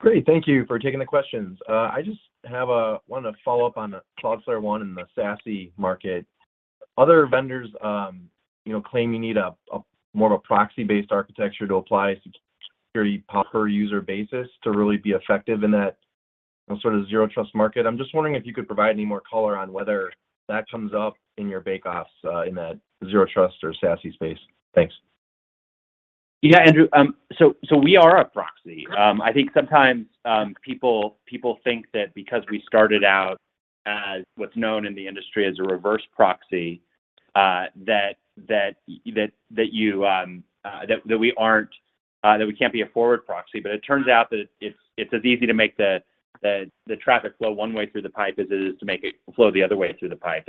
Great. Thank you for taking the questions. I just wanted to follow up on the Cloudflare One and the SASE market. Other vendors claim you need a more of a proxy-based architecture to apply security per user basis to really be effective in that sort of Zero Trust market. I'm just wondering if you could provide any more color on whether that comes up in your bake-offs in that Zero Trust or SASE space. Thanks. Yeah, Andrew. We are a proxy. I think sometimes people think that because we started out as what's known in the industry as a reverse proxy, that we can't be a forward proxy. It turns out that it's as easy to make the traffic flow one way through the pipe as it is to make it flow the other way through the pipe.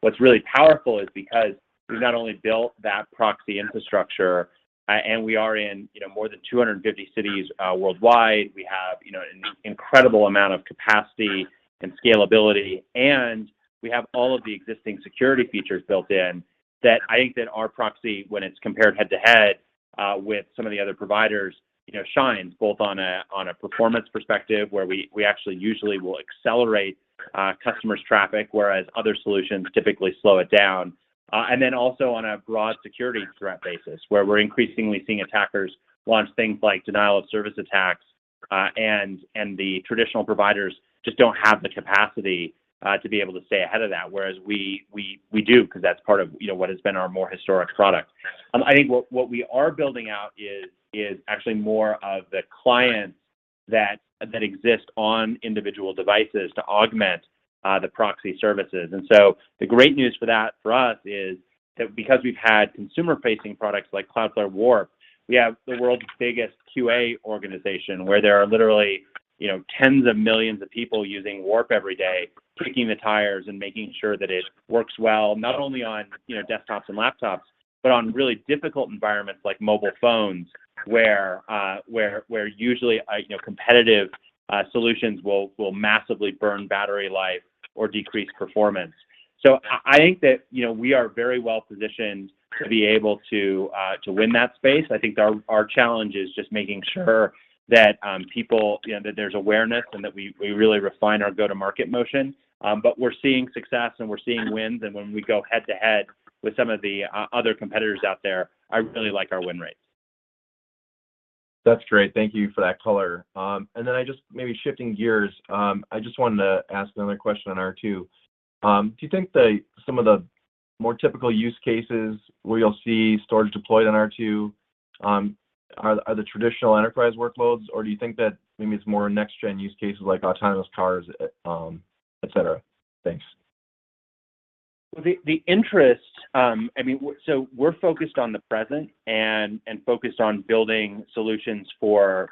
What's really powerful is because we've not only built that proxy infrastructure, and we are in, you know, more than 250 cities worldwide, we have, you know, an incredible amount of capacity and scalability, and we have all of the existing security features built in, that I think that our proxy, when it's compared head-to-head with some of the other providers, you know, shines both on a performance perspective where we actually usually will accelerate customers' traffic, whereas other solutions typically slow it down. Also on a broad security threat basis, where we're increasingly seeing attackers launch things like denial of service attacks, and the traditional providers just don't have the capacity to be able to stay ahead of that. Whereas we do 'cause that's part of, you know, what has been our more historic product. I think what we are building out is actually more of the client that exists on individual devices to augment the proxy services. The great news for that for us is that because we've had consumer-facing products like Cloudflare WARP, we have the world's biggest QA organization where there are literally, you know, tens of millions of people using WARP every day, kicking the tires and making sure that it works well, not only on, you know, desktops and laptops, but on really difficult environments like mobile phones where usually, you know, competitive solutions will massively burn battery life or decrease performance. I think that, you know, we are very well positioned to win that space. I think our challenge is just making sure that, you know, that there's awareness and that we really refine our go-to-market motion. We're seeing success, and we're seeing wins. When we go head-to-head with some of the other competitors out there, I really like our win rates. That's great. Thank you for that color. I just, maybe shifting gears, I just wanted to ask another question on R2. Do you think that some of the more typical use cases where you'll see storage deployed on R2 are the traditional enterprise workloads, or do you think that maybe it's more next gen use cases like autonomous cars, et cetera? Thanks. We're focused on the present and focused on building solutions for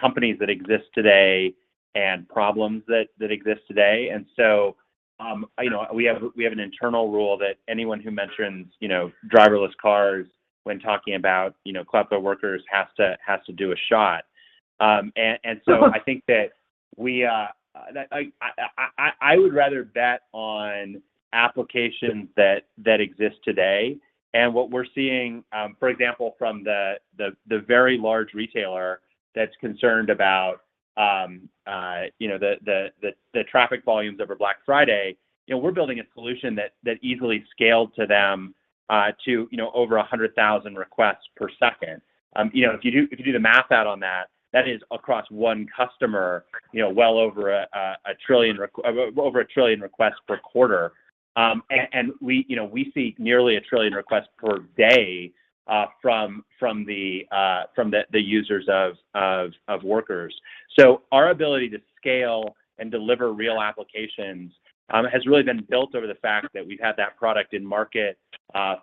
companies that exist today and problems that exist today. You know, we have an internal rule that anyone who mentions driverless cars when talking about Cloudflare Workers has to do a shot. I would rather bet on applications that exist today. What we're seeing, for example, from the very large retailer that's concerned about the traffic volumes over Black Friday. You know, we're building a solution that easily scaled to them, to over 100,000 requests per second. You know, if you do the math out on that is across one customer, you know, well over a trillion requests per quarter. And we, you know, we see nearly a trillion requests per day from the users of Workers. So our ability to scale and deliver real applications has really been built over the fact that we've had that product in market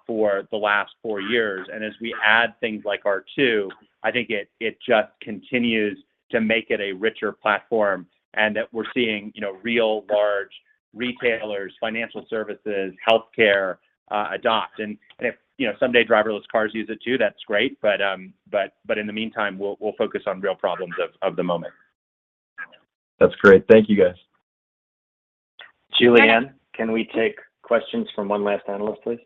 for the last four years. As we add things like R2, I think it just continues to make it a richer platform and that we're seeing, you know, real large retailers, financial services, healthcare adopt. If, you know, someday driverless cars use it too, that's great. In the meantime, we'll focus on real problems of the moment. That's great. Thank you, guys. Julianne- Can- Can we take questions from one last analyst, please?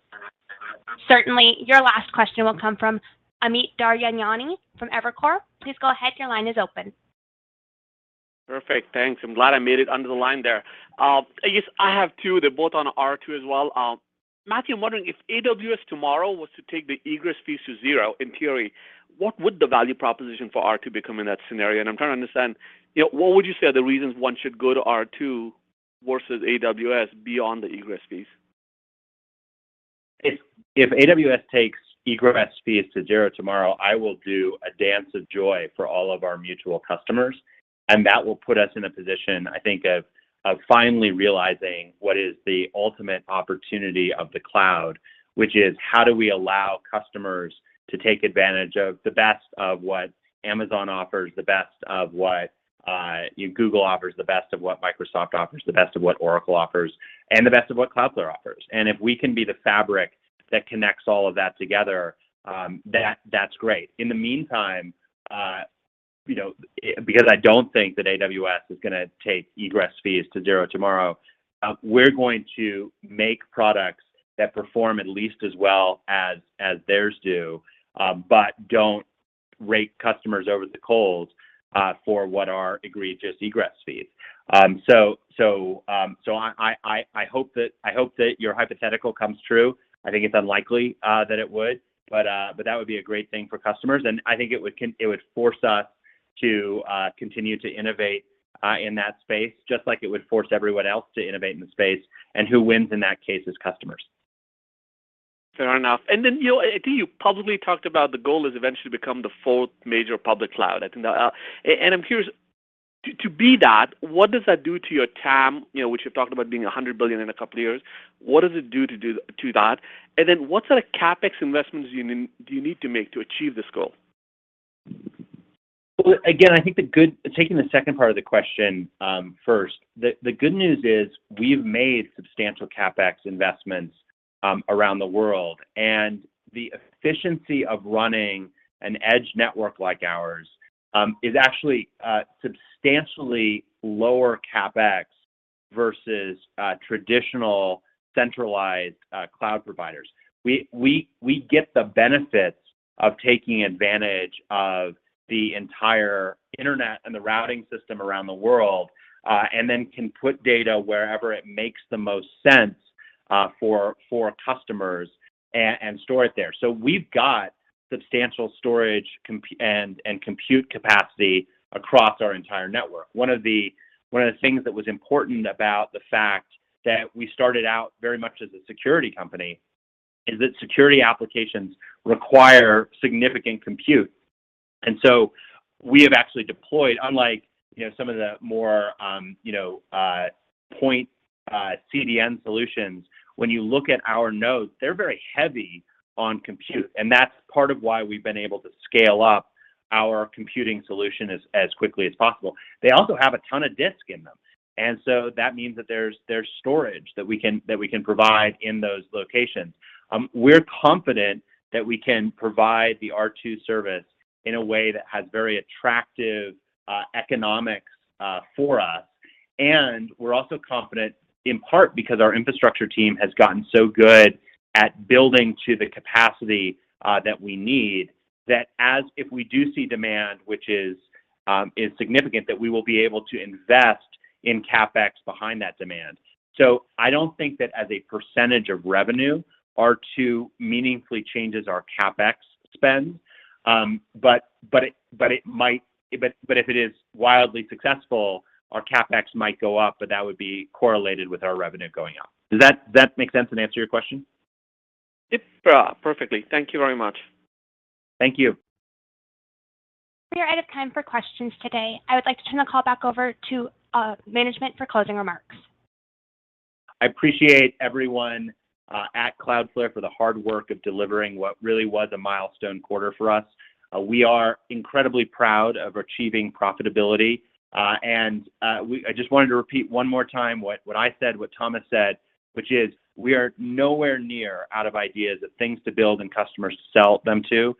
Certainly. Your last question will come from Amit Daryanani from Evercore. Please go ahead. Your line is open. Perfect. Thanks. I'm glad I made it under the line there. I guess I have two. They're both on R2 as well. Matthew, I'm wondering if AWS tomorrow was to take the egress fees to zero, in theory, what would the value proposition for R2 become in that scenario? I'm trying to understand, you know, what would you say are the reasons one should go to R2 versus AWS beyond the egress fees? If AWS takes egress fees to zero tomorrow, I will do a dance of joy for all of our mutual customers, and that will put us in a position, I think, of finally realizing what is the ultimate opportunity of the cloud, which is how do we allow customers to take advantage of the best of what Amazon offers, the best of what Google offers, the best of what Microsoft offers, the best of what Oracle offers, and the best of what Cloudflare offers. If we can be the fabric that connects all of that together, that's great. In the meantime, you know, because I don't think that AWS is gonna take egress fees to zero tomorrow, we're going to make products that perform at least as well as theirs do, but don't rake customers over the coals for what are egregious egress fees. So I hope that your hypothetical comes true. I think it's unlikely that it would, but that would be a great thing for customers, and I think it would force us to continue to innovate in that space, just like it would force everyone else to innovate in the space. Who wins in that case is customers. Fair enough. Then, you know, I think you publicly talked about the goal is eventually become the fourth major public cloud. I think that, and I'm curious to be that, what does that do to your TAM, you know, which you've talked about being 100 billion in a couple of years. What does it do to that? Then what sort of CapEx investments do you need to make to achieve this goal? Well, again, I think taking the second part of the question first, the good news is we've made substantial CapEx investments around the world. The efficiency of running an edge network like ours is actually substantially lower CapEx versus traditional centralized cloud providers. We get the benefits of taking advantage of the entire internet and the routing system around the world and then can put data wherever it makes the most sense for customers and store it there. We've got substantial storage and compute capacity across our entire network. One of the things that was important about the fact that we started out very much as a security company is that security applications require significant compute. We have actually deployed, unlike, you know, some of the more point CDN solutions, when you look at our nodes, they're very heavy on compute, and that's part of why we've been able to scale up our computing solution as quickly as possible. They also have a ton of disk in them, and that means that there's storage that we can provide in those locations. We're confident that we can provide the R2 service in a way that has very attractive economics for us. We're also confident in part because our infrastructure team has gotten so good at building to the capacity that we need if we do see demand, which is significant, that we will be able to invest in CapEx behind that demand. I don't think that as a percentage of revenue, R2 meaningfully changes our CapEx spend. But if it is wildly successful, our CapEx might go up, but that would be correlated with our revenue going up. Does that make sense and answer your question? Perfectly. Thank you very much. Thank you. We are out of time for questions today. I would like to turn the call back over to management for closing remarks. I appreciate everyone at Cloudflare for the hard work of delivering what really was a milestone quarter for us. We are incredibly proud of achieving profitability. I just wanted to repeat one more time what I said, what Thomas said, which is we are nowhere near out of ideas of things to build and customers to sell them to.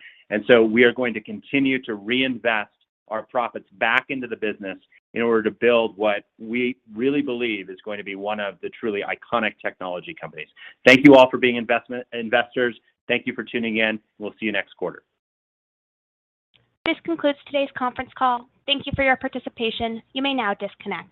We are going to continue to reinvest our profits back into the business in order to build what we really believe is going to be one of the truly iconic technology companies. Thank you all for being investors. Thank you for tuning in. We'll see you next quarter. This concludes today's conference call. Thank you for your participation. You may now disconnect.